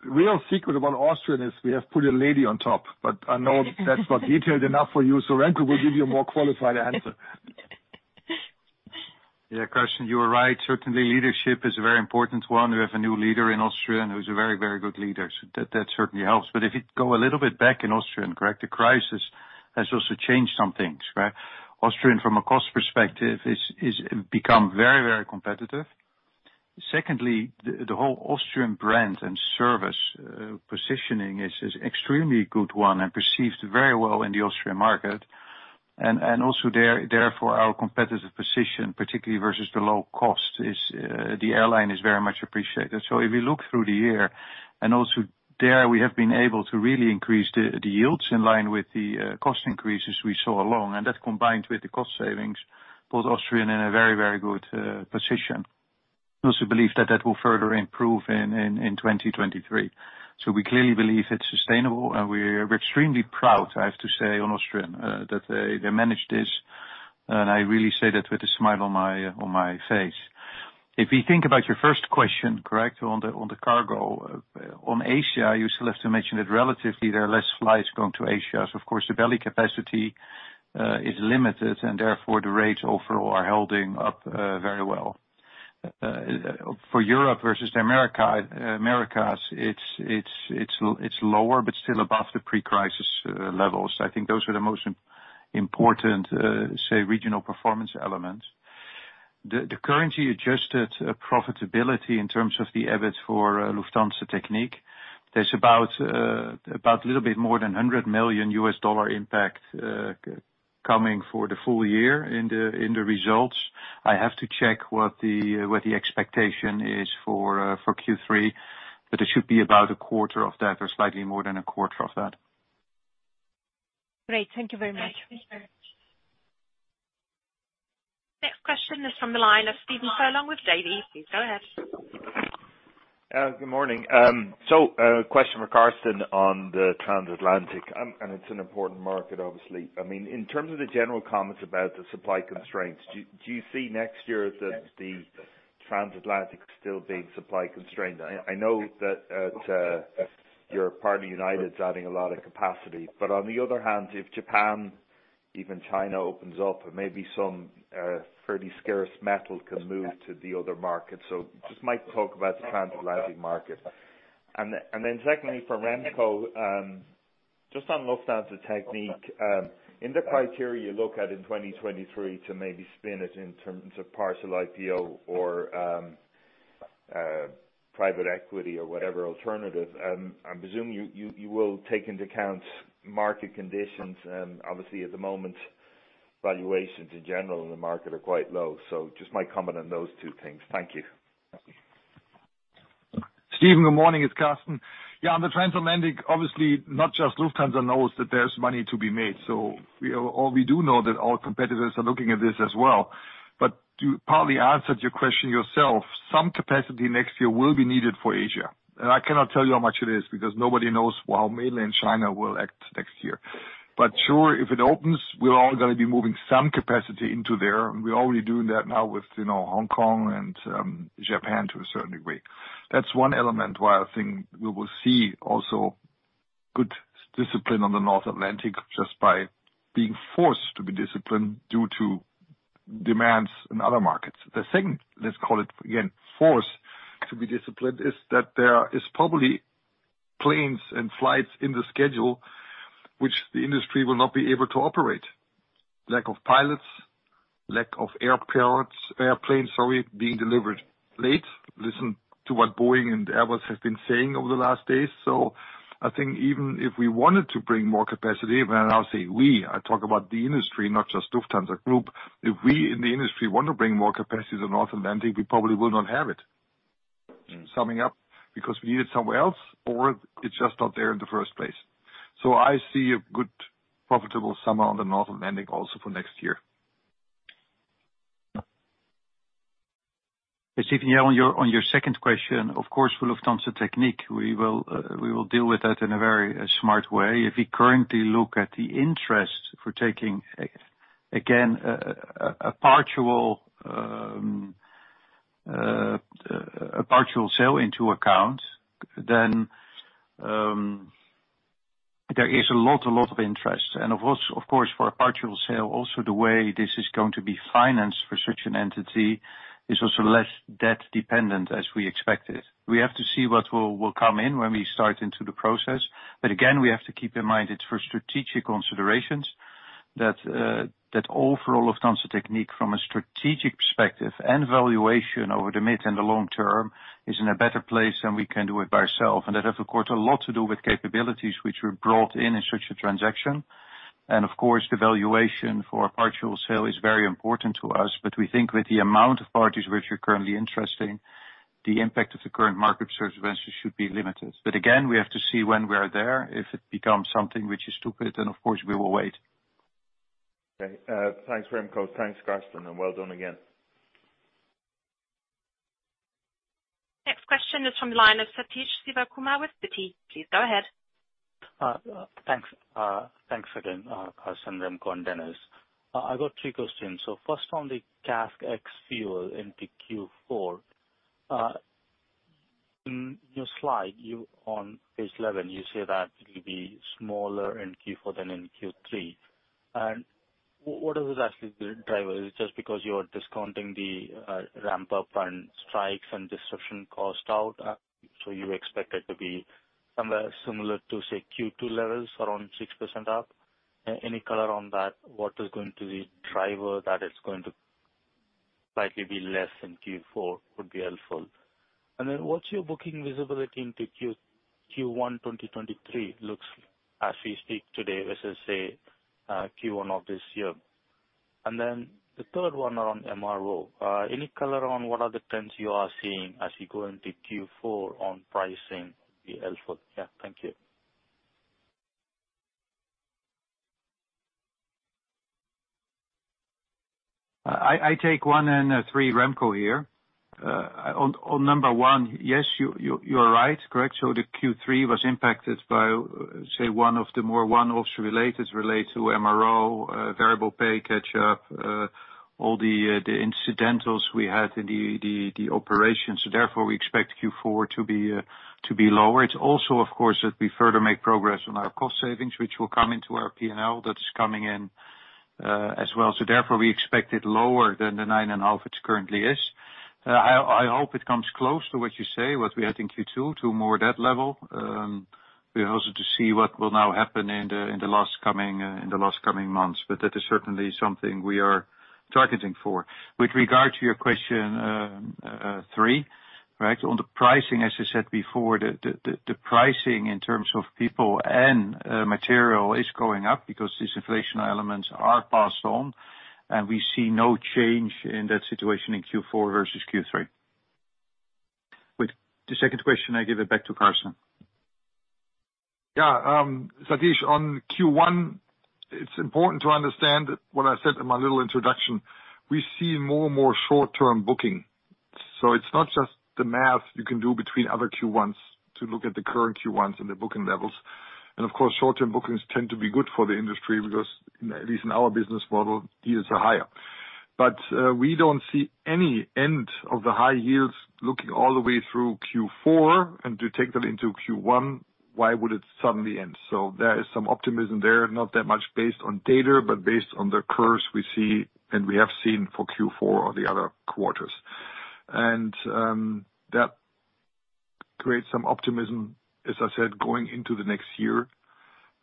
real secret about Austrian is we have put a lady on top, but I know that's not detailed enough for you, so Remco will give you a more qualified answer. Yeah, Carsten, you are right. Certainly, leadership is a very important one. We have a new leader in Austrian who's a very, very good leader, so that certainly helps. If you go a little bit back in Austrian, correct, the crisis has also changed some things, right? Austrian, from a cost perspective, is become very, very competitive. Secondly, the whole Austrian brand and service positioning is extremely good one and perceived very well in the Austrian market. Also there, therefore, our competitive position, particularly versus the low cost, is the airline is very much appreciated. If you look through the year, and also there we have been able to really increase the yields in line with the cost increases we saw along, and that combined with the cost savings, put Austrian in a very, very good position. We also believe that will further improve in 2023. We clearly believe it's sustainable and we're extremely proud, I have to say, on Austrian, that they managed this, and I really say that with a smile on my face. If you think about your first question, correct, on the cargo. On Asia, you still have to mention that relatively there are less flights going to Asia. So of course the belly capacity is limited and therefore the rates overall are holding up very well. For Europe versus Americas, it's lower, but still above the pre-crisis levels. I think those are the most important, say, regional performance elements. The currency-adjusted profitability in terms of the EBIT for Lufthansa Technik. There's about a little bit more than $100 million impact coming for the full year in the results. I have to check what the expectation is for Q3, but it should be about a quarter of that or slightly more than a quarter of that. Great. Thank you very much. Next question is from the line of Stephen Furlong with Davy. Please go ahead. Good morning. Question for Carsten on the transatlantic, and it's an important market obviously. I mean, in terms of the general comments about the supply constraints, do you see next year the transatlantic still being supply constrained? I know that it's partly United Airlines' adding a lot of capacity. On the other hand, if Japan, even China opens up, maybe some fairly scarce metal can move to the other markets. Just might talk about the transatlantic market. Secondly for Remco, just on Lufthansa Technik, in the criteria you look at in 2023 to maybe spin it in terms of partial IPO or private equity or whatever alternative, I presume you will take into account market conditions. Obviously at the moment valuations in general in the market are quite low. Just my comment on those two things. Thank you. Stephen, good morning, it's Carsten. Yeah, on the transatlantic, obviously, not just Lufthansa knows that there's money to be made. We all do know that all competitors are looking at this as well. You partly answered your question yourself. Some capacity next year will be needed for Asia. I cannot tell you how much it is because nobody knows how mainland China will act next year. Sure, if it opens, we're all gonna be moving some capacity into there, and we're already doing that now with, you know, Hong Kong and Japan to a certain degree. That's one element why I think we will see also good discipline on the North Atlantic just by being forced to be disciplined due to demands in other markets. The second, let's call it again, force to be disciplined, is that there is probably planes and flights in the schedule which the industry will not be able to operate. Lack of pilots, lack of airplanes, sorry, being delivered late. Listen to what Boeing and Airbus have been saying over the last days. I think even if we wanted to bring more capacity, when I say we, I talk about the industry, not just Lufthansa Group. If we in the industry want to bring more capacity to the North Atlantic, we probably will not have it. Summing up, because we need it somewhere else or it's just not there in the first place. I see a good profitable summer on the North Atlantic also for next year. Stephen, yeah, on your second question, of course, for Lufthansa Technik, we will deal with that in a very smart way. If we currently look at the interest for taking a partial sale into account, then there is a lot of interest. Of course, for a partial sale, also the way this is going to be financed for such an entity is also less debt dependent as we expected. We have to see what will come in when we start into the process. Again, we have to keep in mind it's for strategic considerations that overall Lufthansa Technik from a strategic perspective and valuation over the mid and the long term is in a better place, and we can do it by ourselves. That have, of course, a lot to do with capabilities which were brought in such a transaction. Of course, the valuation for a partial sale is very important to us. We think with the amount of parties which are currently interesting, the impact of the current market search events should be limited. Again, we have to see when we are there. If it becomes something which is stupid, then of course we will wait. Okay. Thanks, Remco. Thanks, Carsten, and well done again. Next question is from the line of Sathish Sivakumar with Citi. Please go ahead. Thanks again, Carsten, Remco, and Dennis. I've got three questions. First on the CASK ex-fuel into Q4. In your slide on page 11, you say that it'll be smaller in Q4 than in Q3. What is actually the driver? Is it just because you're discounting the ramp-up and strikes and disruption cost out, so you expect it to be somewhere similar to, say, Q2 levels, around 6% up? Any color on that, what is going to be driver that is going to slightly be less than Q4 would be helpful. What's your booking visibility into Q1 2023 looks as we speak today versus, say, Q1 of this year? The third one on MRO. Any color on what are the trends you are seeing as you go into Q4 on pricing would be helpful? Yeah. Thank you. I take 1 and 3, Remco Steenbergen here. On number 1, yes, you're right. Correct. The Q3 was impacted by one of the major one-offs related to MRO, variable pay catch-up, all the incidents we had in the operation. Therefore, we expect Q4 to be lower. It's also, of course, that we further make progress on our cost savings, which will come into our P&L. That's coming in as well. Therefore, we expect it lower than the 9.5% it currently is. I hope it comes close to what you say, what we had in Q2, more to that level. We're also to see what will now happen in the last coming months, but that is certainly something we are targeting for. With regard to your question, three, right? On the pricing, as I said before, the pricing in terms of people and material is going up because these inflation elements are passed on, and we see no change in that situation in Q4 versus Q3. With the second question, I give it back to Carsten. Yeah. Sathish, on Q1, it's important to understand what I said in my little introduction. We see more and more short-term booking. It's not just the math you can do between other Q1s to look at the current Q1s and the booking levels. Of course, short-term bookings tend to be good for the industry because at least in our business model, yields are higher. We don't see any end of the high yields looking all the way through Q4 and to take them into Q1. Why would it suddenly end? There is some optimism there, not that much based on data, but based on the course we see, and we have seen for Q4 or the other quarters. That creates some optimism, as I said, going into the next year.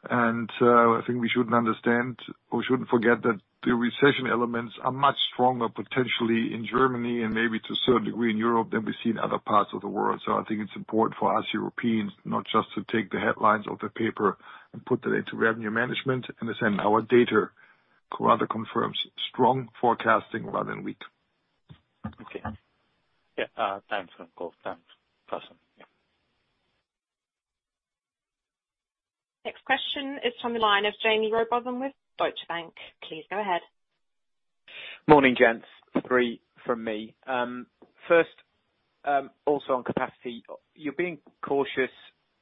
I think we shouldn't understand or shouldn't forget that the recession elements are much stronger, potentially in Germany and maybe to a certain degree in Europe than we see in other parts of the world. I think it's important for us Europeans not just to take the headlines of the paper and put that into revenue management. In a sense, our data rather confirms strong forecasting rather than weak. Okay. Yeah. Thanks, Remco Steenbergen. Thanks, Carsten. Yeah. Next question is from the line of Jaime Rowbotham with Deutsche Bank. Please go ahead. Morning, gents. Three from me. First, also on capacity, you're being cautious,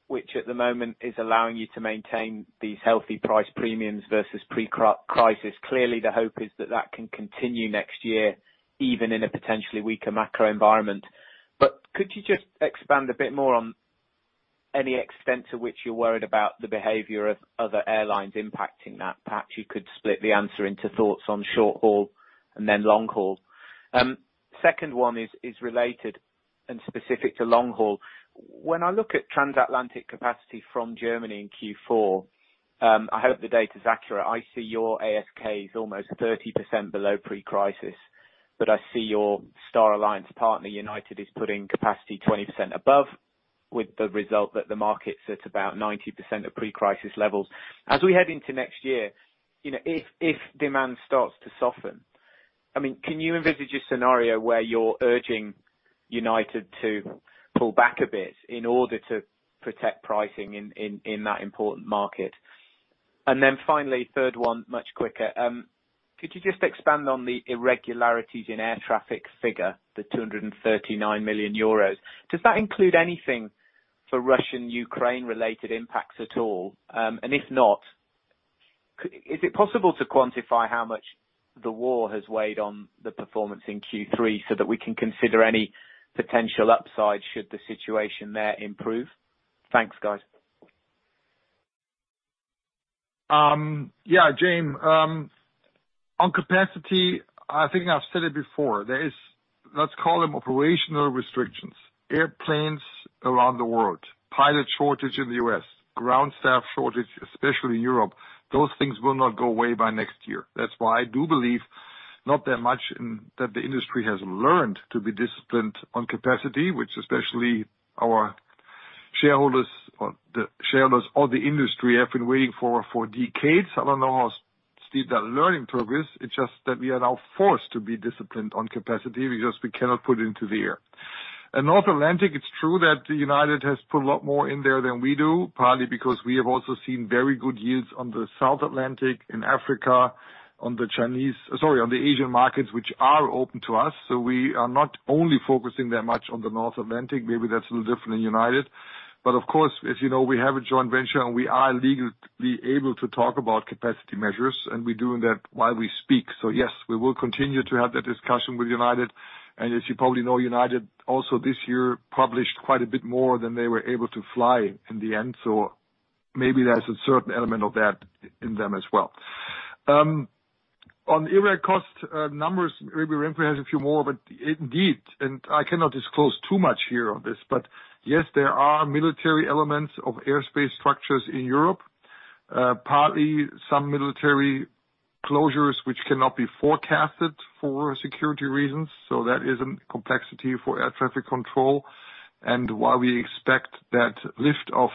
which at the moment is allowing you to maintain these healthy price premiums versus pre-crisis. Clearly, the hope is that that can continue next year, even in a potentially weaker macro environment. Could you just expand a bit more on any extent to which you're worried about the behavior of other airlines impacting that? Perhaps you could split the answer into thoughts on short-haul and then long-haul. Second one is related and specific to long-haul. When I look at Transatlantic capacity from Germany in Q4, I hope the data is accurate. I see your ASK is almost 30% below pre-crisis, but I see your Star Alliance partner, United, is putting capacity 20% above with the result that the market's at about 90% of pre-crisis levels. As we head into next year, you know, if demand starts to soften, I mean, can you envisage a scenario where you're urging United to pull back a bit in order to protect pricing in that important market? Finally, third one, much quicker. Could you just expand on the irregularities in air traffic figure, the 239 million euros? Does that include anything for Russian, Ukraine-related impacts at all? And if not, is it possible to quantify how much the war has weighed on the performance in Q3 so that we can consider any potential upside should the situation there improve? Thanks, guys. Yeah, James, on capacity, I think I've said it before. There is, let's call them operational restrictions. Airplanes around the world, pilot shortage in the U.S., ground staff shortage, especially in Europe, those things will not go away by next year. That's why I do believe not that much in that the industry has learned to be disciplined on capacity, which especially our shareholders or the shareholders of the industry have been waiting for decades. I don't know how steep that learning curve is. It's just that we are now forced to be disciplined on capacity because we cannot put into the air. In North Atlantic, it's true that United has put a lot more in there than we do, partly because we have also seen very good yields on the South Atlantic, in Africa, on the Asian markets, which are open to us. We are not only focusing that much on the North Atlantic, maybe that's a little different in United. Of course, as you know, we have a joint venture, and we are legally able to talk about capacity measures, and we're doing that while we speak. Yes, we will continue to have that discussion with United. As you probably know, United also this year published quite a bit more than they were able to fly in the end. Maybe there's a certain element of that in them as well. On the IROPS cost numbers, maybe we'll have a few more, but indeed, and I cannot disclose too much here on this, but yes, there are military elements of airspace structures in Europe, partly some military closures, which cannot be forecasted for security reasons. That is a complexity for air traffic control. While we expect that lift of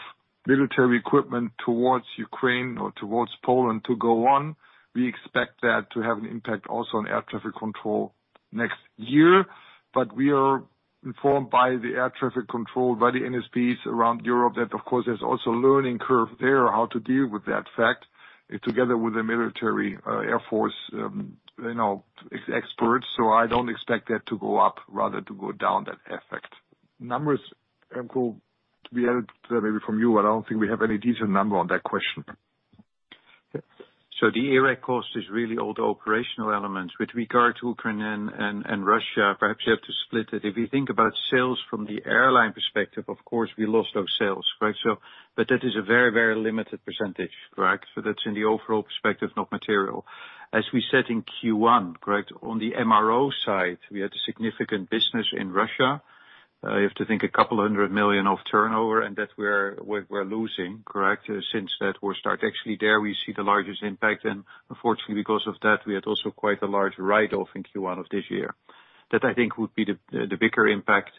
military equipment towards Ukraine or towards Poland to go on, we expect that to have an impact also on air traffic control next year. We are informed by the air traffic control, by the ANSPs around Europe that, of course, there's also a learning curve there, how to deal with that fact, together with the military, Air Force, you know, experts. I don't expect that to go up, rather to go down that effect. Numbers, Remco Steenbergen, to be added maybe from you, but I don't think we have any decent number on that question. The IROPS cost is really all the operational elements. With regard to Ukraine and Russia, perhaps you have to split it. If you think about sales from the airline perspective, of course, we lost those sales, right? But that is a very limited percentage, right? That's in the overall perspective, not material. As we said in Q1, correct, on the MRO side, we had a significant business in Russia. I have to think 200 million of turnover and that we're losing, correct? Since that war started, actually there we see the largest impact and unfortunately because of that, we had also quite a large write-off in Q1 of this year. That I think would be the bigger impact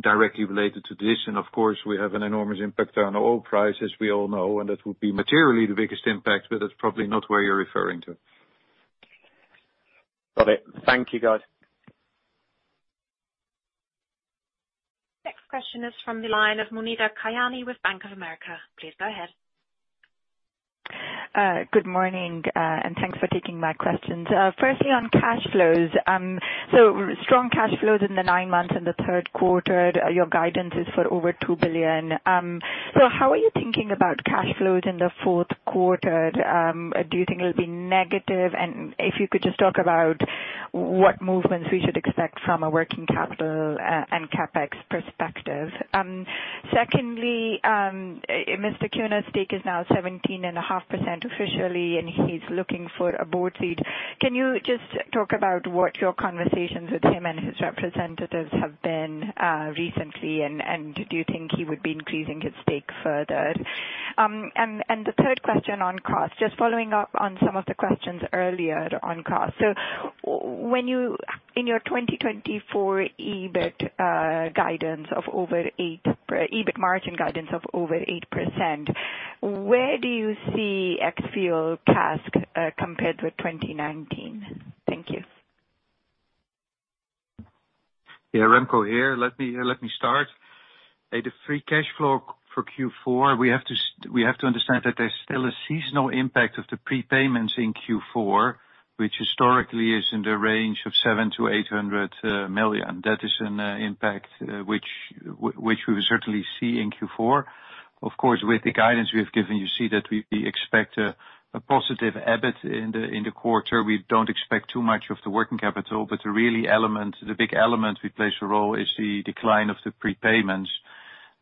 directly related to this. Of course, we have an enormous impact on oil prices, we all know, and that would be materially the biggest impact, but that's probably not where you're referring to. Got it. Thank you, guys. Next question is from the line of Muneeba Kayani with Bank of America. Please go ahead. Good morning, and thanks for taking my questions. Firstly on cash flows. So strong cash flows in the nine months, in the third quarter. Your guidance is for over 2 billion. So how are you thinking about cash flows in the fourth quarter? Do you think it will be negative? If you could just talk about what movements we should expect from a working capital, and CapEx perspective. Secondly, Klaus-Michael Kühne's stake is now 17.5% officially, and he's looking for a board seat. Can you just talk about what your conversations with him and his representatives have been, recently? Do you think he would be increasing his stake further? The third question on cost, just following up on some of the questions earlier on cost. When you, in your 2024 EBIT margin guidance of over 8%, where do you see ex-fuel CASK compared with 2019? Thank you. Yeah. Remco here. Let me start. The free cash flow for Q4, we have to understand that there's still a seasonal impact of the prepayments in Q4, which historically is in the range of 700 million-800 million. That is an impact which we will certainly see in Q4. Of course, with the guidance we have given you see that we expect a positive EBIT in the quarter. We don't expect too much of the working capital, but the real element, the big element that plays a role is the decline of the prepayments,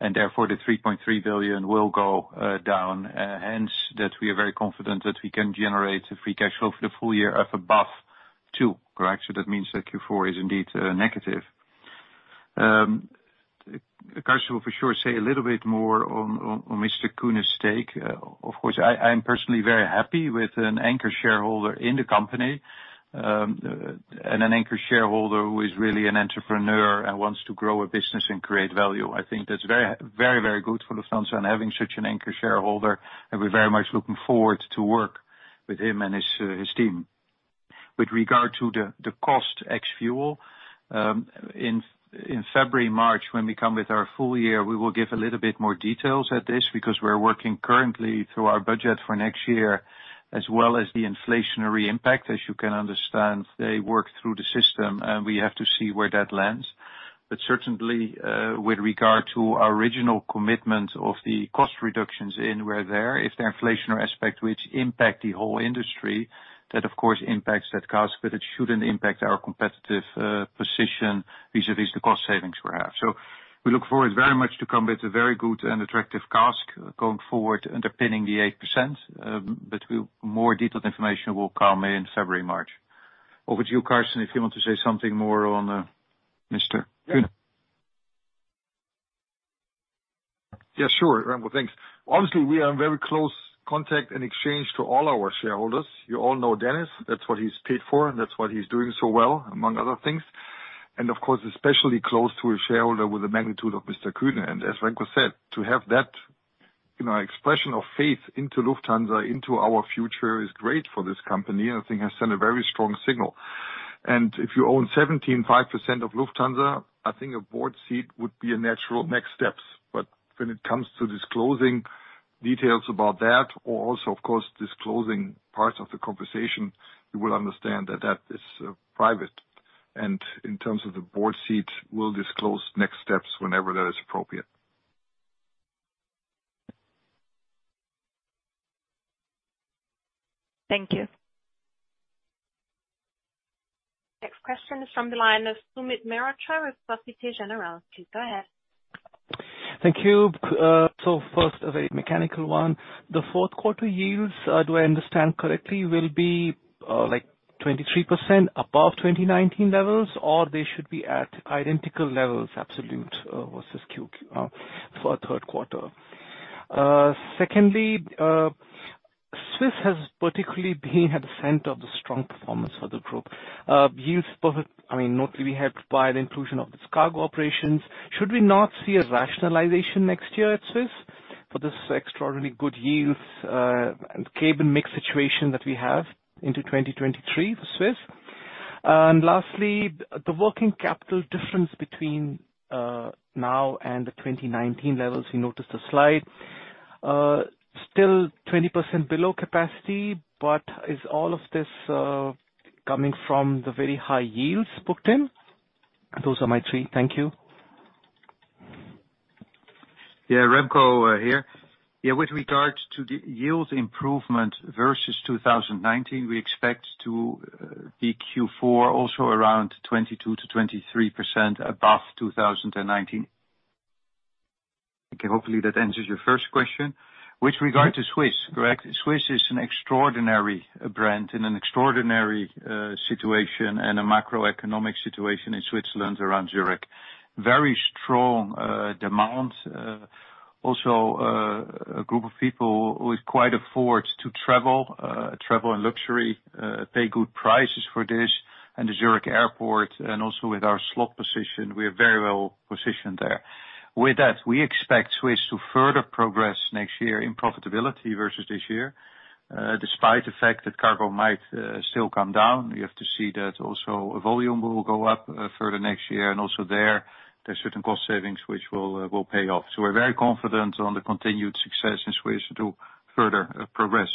and therefore the 3.3 billion will go down. Hence, that we are very confident that we can generate a free cash flow for the full year of above 2 billion. Correct? That means that Q4 is indeed negative. Carsten will for sure say a little bit more on Klaus-Michael Kühne's stake. Of course, I'm personally very happy with an anchor shareholder in the company, and an anchor shareholder who is really an entrepreneur and wants to grow a business and create value. I think that's very, very, very good for Lufthansa and having such an anchor shareholder, and we're very much looking forward to work with him and his team. With regard to the CASK ex-fuel, in February, March, when we come with our full year, we will give a little bit more details at this because we're working currently through our budget for next year, as well as the inflationary impact. As you can understand, they work through the system and we have to see where that lands. Certainly, with regard to our original commitment of the cost reductions in where they are, if the inflationary aspect which impact the whole industry, that of course impacts that cost, but it shouldn't impact our competitive position vis-à-vis the cost savings we have. We look forward very much to come with a very good and attractive CASK going forward, underpinning the 8%, but we'll, more detailed information will come in February, March. Over to you, Carsten, if you want to say something more on, Klaus-Michael Kühne. Yeah, sure. Remco, thanks. Obviously, we are in very close contact and exchange to all our shareholders. You all know Dennis. That's what he's paid for, and that's what he's doing so well, among other things. Of course, especially close to a shareholder with the magnitude of Klaus-Michael Kühne. As Remco said, to have that, you know, expression of faith into Lufthansa, into our future is great for this company, and I think has sent a very strong signal. If you own 17.5% of Lufthansa, I think a board seat would be a natural next steps. When it comes to disclosing details about that, or also of course, disclosing parts of the conversation, you will understand that that is private. In terms of the board seat, we'll disclose next steps whenever that is appropriate. Thank you. Next question is from the line of Sumit Mehrotra with Société Générale. Please go ahead. Thank you. First, a very mechanical one. The fourth quarter yields, do I understand correctly, will be like 23% above 2019 levels, or they should be at identical levels, absolute, versus Q4 third quarter? Secondly, Swiss has particularly been at the center of the strong performance for the group. Yields, I mean, notably helped by the inclusion of the cargo operations. Should we not see a rationalization next year at Swiss for this extraordinarily good yields and cabin mix situation that we have into 2023 for Swiss? Lastly, the working capital difference between now and the 2019 levels, we noticed the slide. Still 20% below capacity, but is all of this coming from the very high yields booked in? Those are my three. Thank you. Yeah. Remco here. Yeah, with regard to the yield improvement versus 2019, we expect to be Q4 also around 22%-23% above 2019. Okay, hopefully that answers your first question. With regard to Swiss, correct? Swiss is an extraordinary brand in an extraordinary situation and a macroeconomic situation in Switzerland around Zürich. Very strong demand. Also, a group of people who could quite afford to travel in luxury, pay good prices for this. The Zürich Airport and also with our slot position, we are very well positioned there. With that, we expect Swiss to further progress next year in profitability versus this year, despite the fact that cargo might still come down. We have to see that also volume will go up further next year. Also there are certain cost savings which will pay off. We're very confident on the continued success in Swiss to further progress.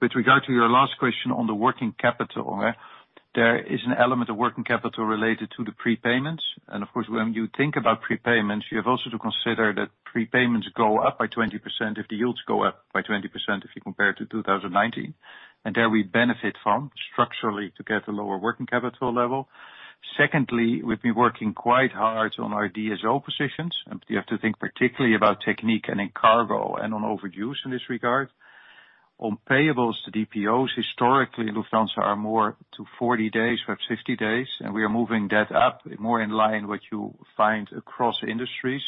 With regard to your last question on the working capital, there is an element of working capital related to the prepayments. Of course, when you think about prepayments, you have also to consider that prepayments go up by 20% if the yields go up by 20% if you compare to 2019. There we benefit from structurally to get a lower working capital level. Secondly, we've been working quite hard on our DSO positions, and you have to think particularly about Technik and in Cargo and on average in this regard. On payables, the DPOs historically in Lufthansa are more to 40 days, we have 60 days, and we are moving that up more in line what you find across industries.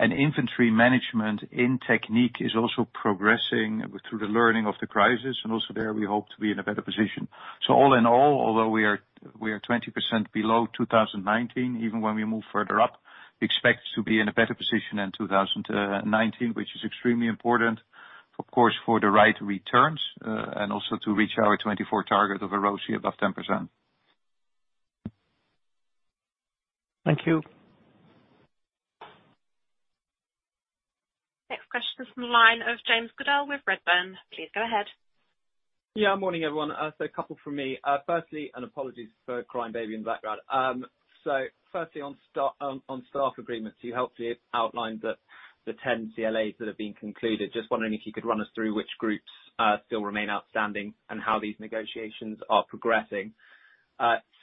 Inventory management in Technik is also progressing through the learning of the crisis, and also there we hope to be in a better position. All in all, although we are 20% below 2019, even when we move further up, we expect to be in a better position in 2019, which is extremely important, of course, for the right returns, and also to reach our 2024 target of a ROC above 10%. Thank you. Next question is from the line of James Hollins with BNP Paribas. Please go ahead. Morning, everyone. A couple from me. Apologies for crying baby in the background. Firstly on staff agreements, you helped outline the 10 CLAs that have been concluded. Just wondering if you could run us through which groups still remain outstanding and how these negotiations are progressing.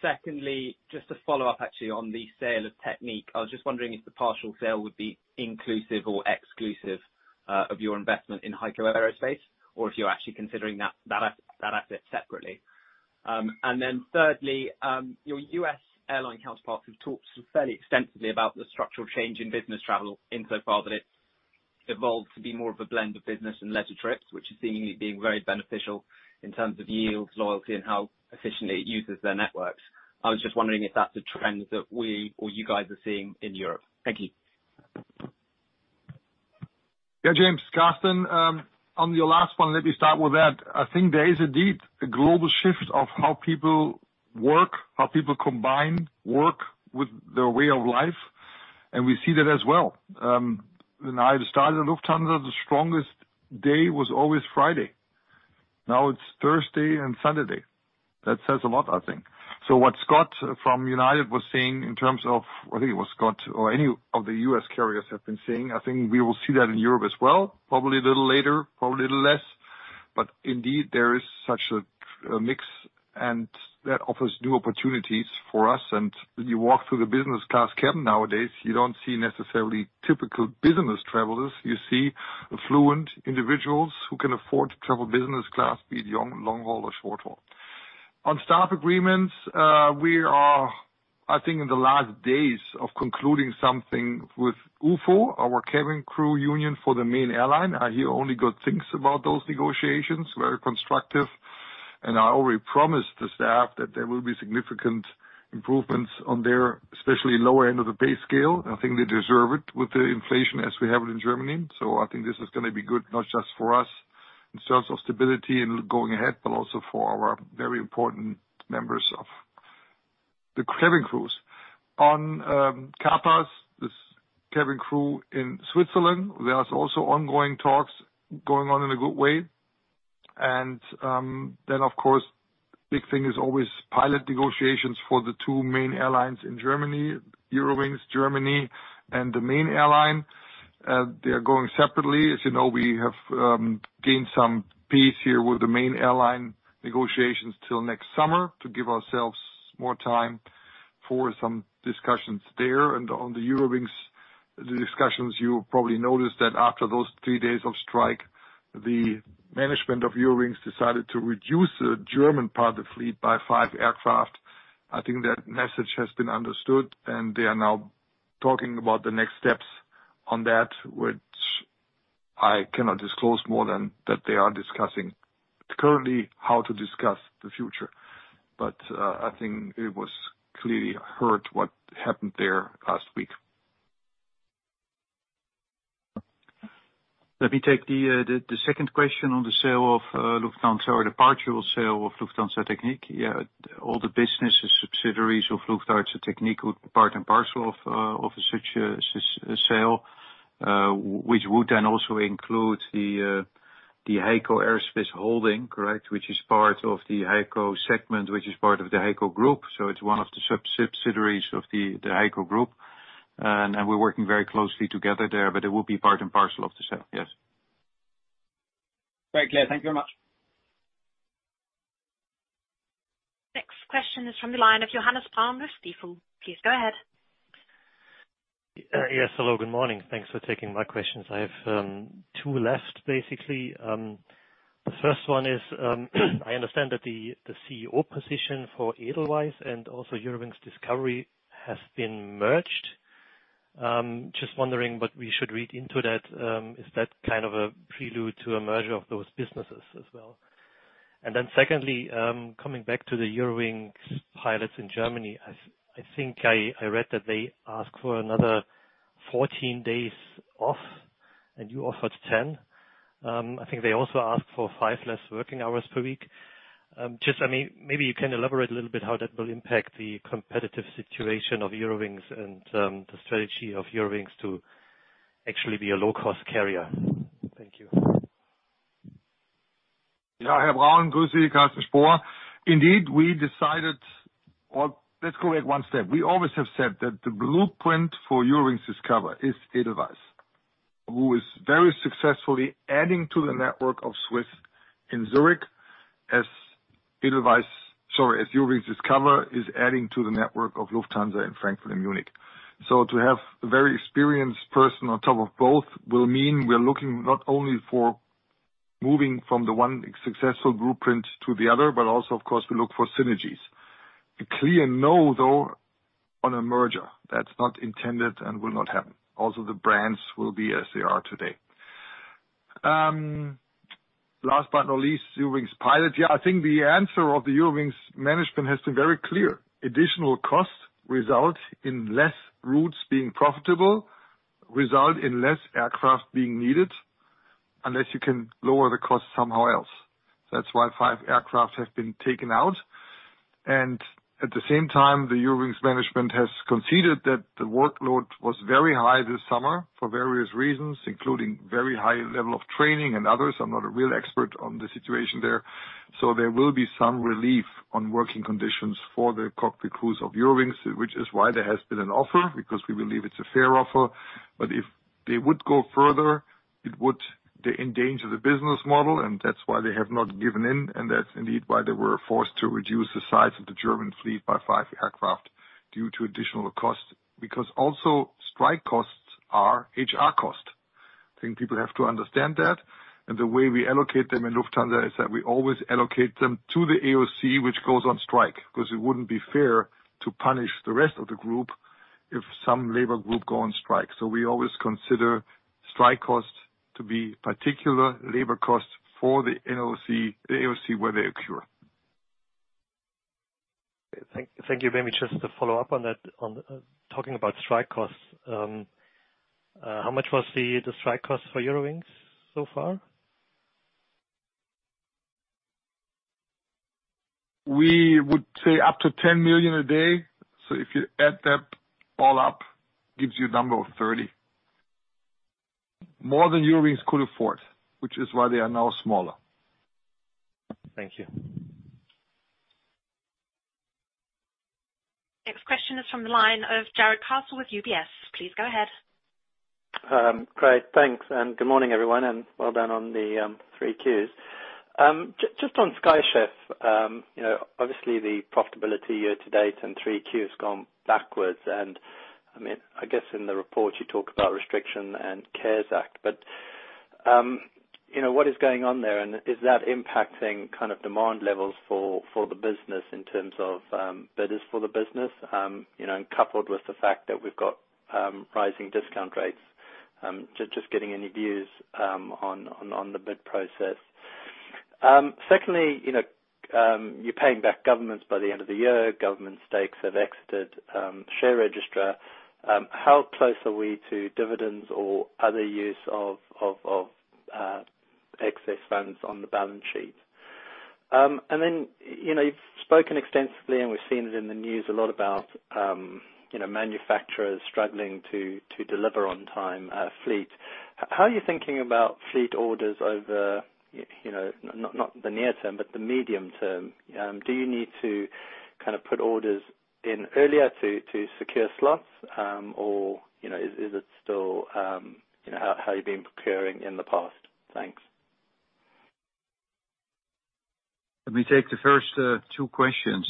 Secondly, just to follow up actually on the sale of Lufthansa Technik, I was just wondering if the partial sale would be inclusive or exclusive of your investment in HEICO Aerospace, or if you are actually considering that asset separately. Thirdly, your US airline counterparts have talked fairly extensively about the structural change in business travel insofar that it's evolved to be more of a blend of business and leisure trips, which is seemingly being very beneficial in terms of yields, loyalty, and how efficiently it uses their networks. I was just wondering if that's a trend that we or you guys are seeing in Europe. Thank you. Yeah, James. Carsten Spohr. On your last one, let me start with that. I think there is indeed a global shift of how people work, how people combine work with their way of life, and we see that as well. When I started at Lufthansa, the strongest day was always Friday. Now it's Thursday and Sunday. That says a lot, I think. What Scott from United was saying in terms of, I think it was Scott or any of the U.S. carriers have been saying, I think we will see that in Europe as well, probably a little later, probably a little less. But indeed, there is such a mix and that offers new opportunities for us. You walk through the business class cabin nowadays, you don't see necessarily typical business travelers. You see affluent individuals who can afford to travel business class, be it long-haul or short-haul. On staff agreements, we are, I think, in the last days of concluding something with UFO, our cabin crew union for the main airline. I hear only good things about those negotiations, very constructive. I already promised the staff that there will be significant improvements on their, especially lower end of the pay scale. I think they deserve it with the inflation as we have it in Germany. I think this is gonna be good, not just for us in terms of stability and going ahead, but also for our very important members of the cabin crews. On Kapers, this cabin crew in Switzerland, there is also ongoing talks going on in a good way. Of course, the big thing is always pilot negotiations for the two main airlines in Germany, Eurowings Germany, and the main airline. They are going separately. As you know, we have gained some peace here with the main airline negotiations till next summer to give ourselves more time for some discussions there. On the Eurowings, the discussions, you probably noticed that after those three days of strike, the management of Eurowings decided to reduce the German part of the fleet by five aircraft. I think that message has been understood, and they are now talking about the next steps on that, which I cannot disclose more than that they are discussing currently how to discuss the future. I think it was clearly heard what happened there last week. Let me take the second question on the sale of Lufthansa Technik or the partial sale of Lufthansa Technik. Yeah, all the businesses, subsidiaries of Lufthansa Technik would be part and parcel of such a sale, which would then also include the HEICO Aerospace holding, correct? Which is part of the HEICO segment, which is part of the HEICO Group. It's one of the sub-subsidiaries of the HEICO Group. We're working very closely together there, but it will be part and parcel of the sale, yes. Very clear. Thank you very much. From the line of Johannes Braun, Stifel. Please go ahead. Yes, hello, good morning. Thanks for taking my questions. I have 2 left basically. The first one is, I understand that the CEO position for Edelweiss and also Discover Airlines has been merged. Just wondering what we should read into that. Is that kind of a prelude to a merger of those businesses as well? And then secondly, coming back to the Eurowings pilots in Germany, I think I read that they asked for another 14 days off, and you offered 10. I think they also asked for 5 less working hours per week. Just, I mean, maybe you can elaborate a little bit how that will impact the competitive situation of Eurowings and the strategy of Eurowings to actually be a low-cost carrier. Thank you. Yeah, I have. Indeed. Let's go back one step. We always have said that the blueprint for Eurowings Discover is Edelweiss, who is very successfully adding to the network of Swiss in Zurich as Edelweiss, sorry, as Eurowings Discover is adding to the network of Lufthansa in Frankfurt and Munich. To have a very experienced person on top of both will mean we're looking not only for moving from the one successful blueprint to the other, but also, of course, we look for synergies. A clear no, though, on a merger. That's not intended and will not happen. Also, the brands will be as they are today. Last but not least, Eurowings pilots. Yeah, I think the answer of the Eurowings management has been very clear. Additional costs result in less routes being profitable, result in less aircraft being needed, unless you can lower the cost somehow else. That's why five aircraft have been taken out. At the same time, the Eurowings management has conceded that the workload was very high this summer for various reasons, including very high level of training and others. I'm not a real expert on the situation there. There will be some relief on working conditions for the cockpit crews of Eurowings, which is why there has been an offer, because we believe it's a fair offer. If they would go further, it would, they endanger the business model, and that's why they have not given in, and that's indeed why they were forced to reduce the size of the German fleet by five aircraft due to additional costs. Also strike costs are HR costs. I think people have to understand that. The way we allocate them in Lufthansa is that we always allocate them to the AOC which goes on strike, because it wouldn't be fair to punish the rest of the group if some labor group go on strike. We always consider strike costs to be particular labor costs for the AOC where they occur. Thank you very much. Just to follow up on that, on talking about strike costs, how much was the strike cost for Eurowings so far? We would say up to 10 million a day. If you add that all up, gives you a number of 30 million. More than Eurowings could afford, which is why they are now smaller. Thank you. Next question is from the line of Jarrod Castle with UBS. Please go ahead. Great. Thanks, and good morning, everyone, and well done on the 3 Qs. Just on Sky Chefs, you know, obviously the profitability year to date and 3 Qs gone backwards. I mean, I guess in the report you talk about restrictions and CARES Act, but you know, what is going on there, and is that impacting kind of demand levels for the business in terms of bidders for the business, you know, and coupled with the fact that we've got pricing discount rates, just getting any views on the bid process. Secondly, you know, you're paying back governments by the end of the year. Government stakes have exited share register. How close are we to dividends or other use of excess funds on the balance sheet? You know, you've spoken extensively, and we've seen it in the news a lot about, you know, manufacturers struggling to deliver on time, fleet. How are you thinking about fleet orders over, you know, not the near term, but the medium term? Do you need to kind of put orders in earlier to secure slots, or, you know, is it still, you know, how you've been procuring in the past? Thanks. Let me take the first two questions.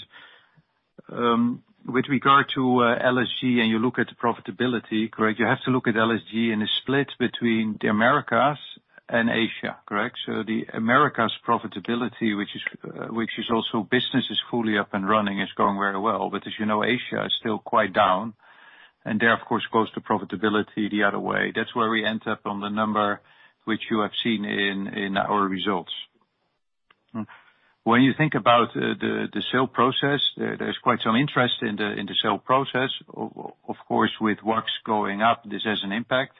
With regard to LSG, and you look at the profitability, correct? You have to look at LSG, and it's split between the Americas and Asia, correct? The Americas' profitability, which is also business is fully up and running, is going very well. As you know, Asia is still quite down, and therefore, of course, the profitability goes the other way. That's where we end up on the number which you have seen in our results. When you think about the sale process, there's quite some interest in the sale process. Of course, with costs going up, this has an impact.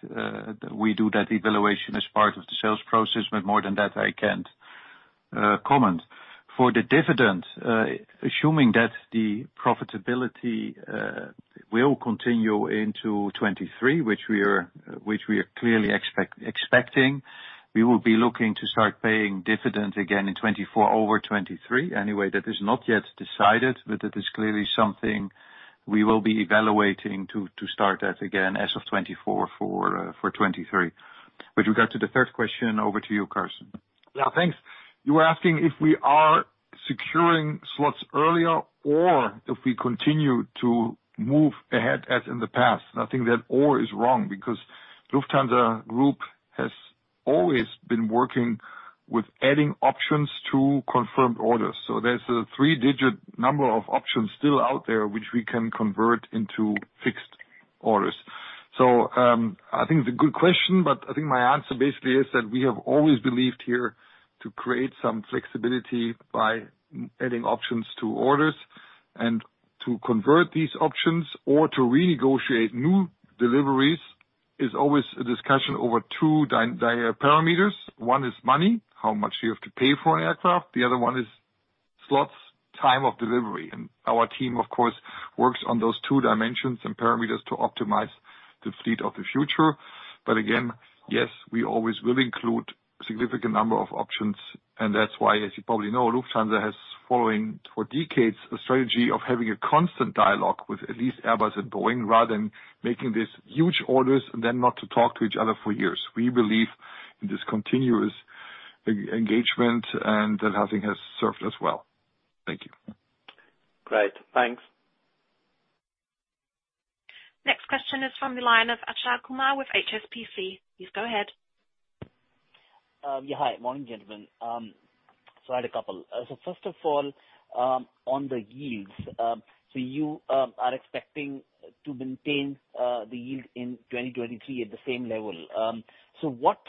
We do that evaluation as part of the sales process, but more than that, I can't comment. For the dividend, assuming that the profitability will continue into 2023, which we are clearly expecting, we will be looking to start paying dividends again in 2024, over 2023. Anyway, that is not yet decided, but it is clearly something we will be evaluating to start that again as of 2024, for 2023. With regard to the third question, over to you, Carsten. Yeah, thanks. You were asking if we are securing slots earlier or if we continue to move ahead as in the past. I think that or is wrong, because Lufthansa Group has always been working with adding options to confirmed orders. There's a three-digit number of options still out there which we can convert into fixed orders. I think it's a good question, but I think my answer basically is that we have always believed here to create some flexibility by adding options to orders and to convert these options or to renegotiate new deliveries is always a discussion over two dimensions and parameters. One is money, how much you have to pay for an aircraft. The other one is slots, time of delivery. Our team, of course, works on those two dimensions and parameters to optimize the fleet of the future. Again, yes, we always will include significant number of options, and that's why, as you probably know, Lufthansa has following for decades a strategy of having a constant dialogue with at least Airbus and Boeing, rather than making these huge orders and then not to talk to each other for years. We believe in this continuous engagement, and that I think has served us well. Thank you. Great, thanks. Next question is from the line of Achal Kumar with HSBC. Please go ahead. Hi. Morning, gentlemen. I had a couple. First of all, on the yields. You are expecting to maintain the yield in 2023 at the same level. What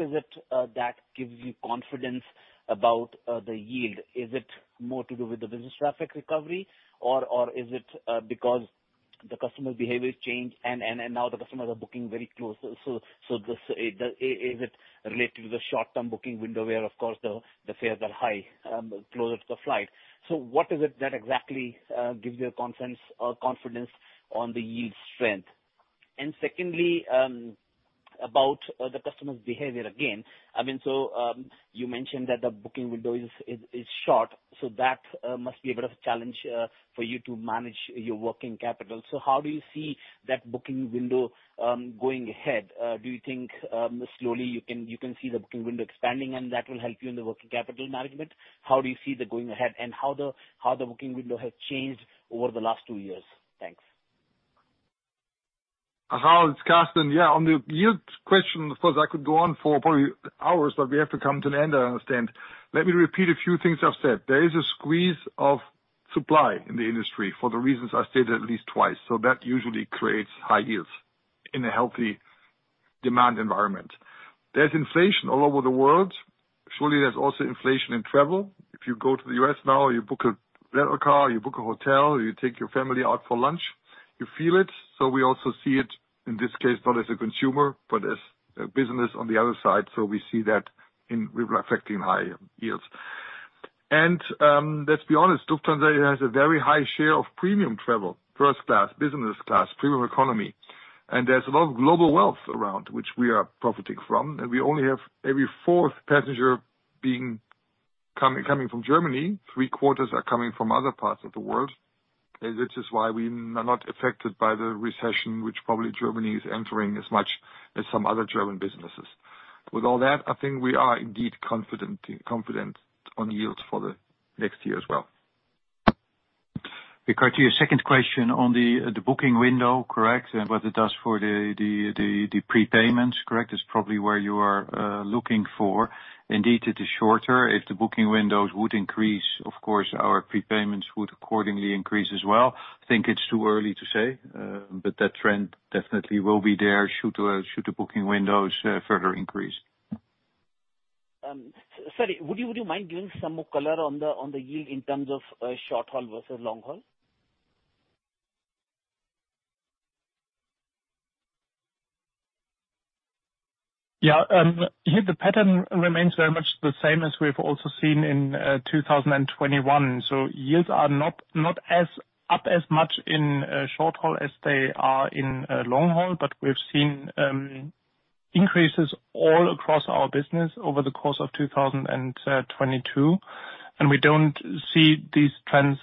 is it that gives you confidence about the yield? Is it more to do with the business traffic recovery or is it because the customer behavior has changed and now the customers are booking very close? Is it related to the short-term booking window where, of course, the fares are high closer to flight? What is it that exactly gives you confidence on the yield strength? And secondly, about the customer's behavior again. I mean, you mentioned that the booking window is short, so that must be a bit of a challenge for you to manage your working capital. How do you see that booking window going ahead? Do you think slowly you can see the booking window expanding, and that will help you in the working capital management? How do you see that going ahead and how the booking window has changed over the last two years? Thanks. Achal, it's Carsten. Yeah, on the yield question, of course, I could go on for probably hours, but we have to come to an end, I understand. Let me repeat a few things I've said. There is a squeeze of supply in the industry for the reasons I stated at least twice, so that usually creates high yields in a healthy demand environment. There's inflation all over the world. Surely, there's also inflation in travel. If you go to the U.S. now, you book a rental car, you book a hotel, you take your family out for lunch, you feel it. We also see it in this case, not as a consumer, but as a business on the other side. We see that in reflecting higher yields. Let's be honest, Lufthansa has a very high share of premium travel, first class, business class, premium economy. There's a lot of global wealth around which we are profiting from, and we only have every fourth passenger coming from Germany. Three-quarters are coming from other parts of the world. This is why we are not affected by the recession, which probably Germany is entering as much as some other German businesses. With all that, I think we are indeed confident on yields for the next year as well. Rik, to your second question on the booking window, correct? What it does for the prepayments, correct? Is probably where you are looking for. Indeed, it is shorter. If the booking windows would increase, of course, our prepayments would accordingly increase as well. I think it's too early to say, but that trend definitely will be there should the booking windows further increase. Sorry, would you mind giving some more color on the yield in terms of short haul versus long haul? Yeah. Here the pattern remains very much the same as we have also seen in 2021. Yields are not as up as much in short haul as they are in long haul. We've seen increases all across our business over the course of 2022, and we don't see these trends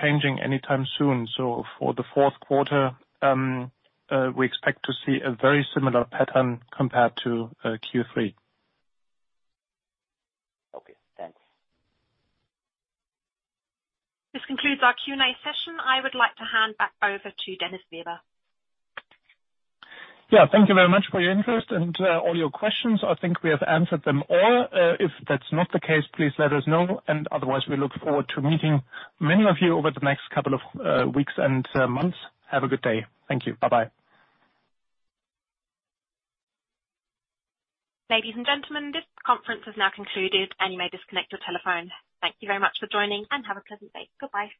changing anytime soon. For the fourth quarter, we expect to see a very similar pattern compared to Q3. Okay, thanks. This concludes our Q&A session. I would like to hand back over to Dennis Weber. Yeah. Thank you very much for your interest and all your questions. I think we have answered them all. If that's not the case, please let us know, and otherwise, we look forward to meeting many of you over the next couple of weeks and months. Have a good day. Thank you. Bye-bye. Ladies and gentlemen, this conference is now concluded, and you may disconnect your telephone. Thank you very much for joining, and have a pleasant day. Goodbye.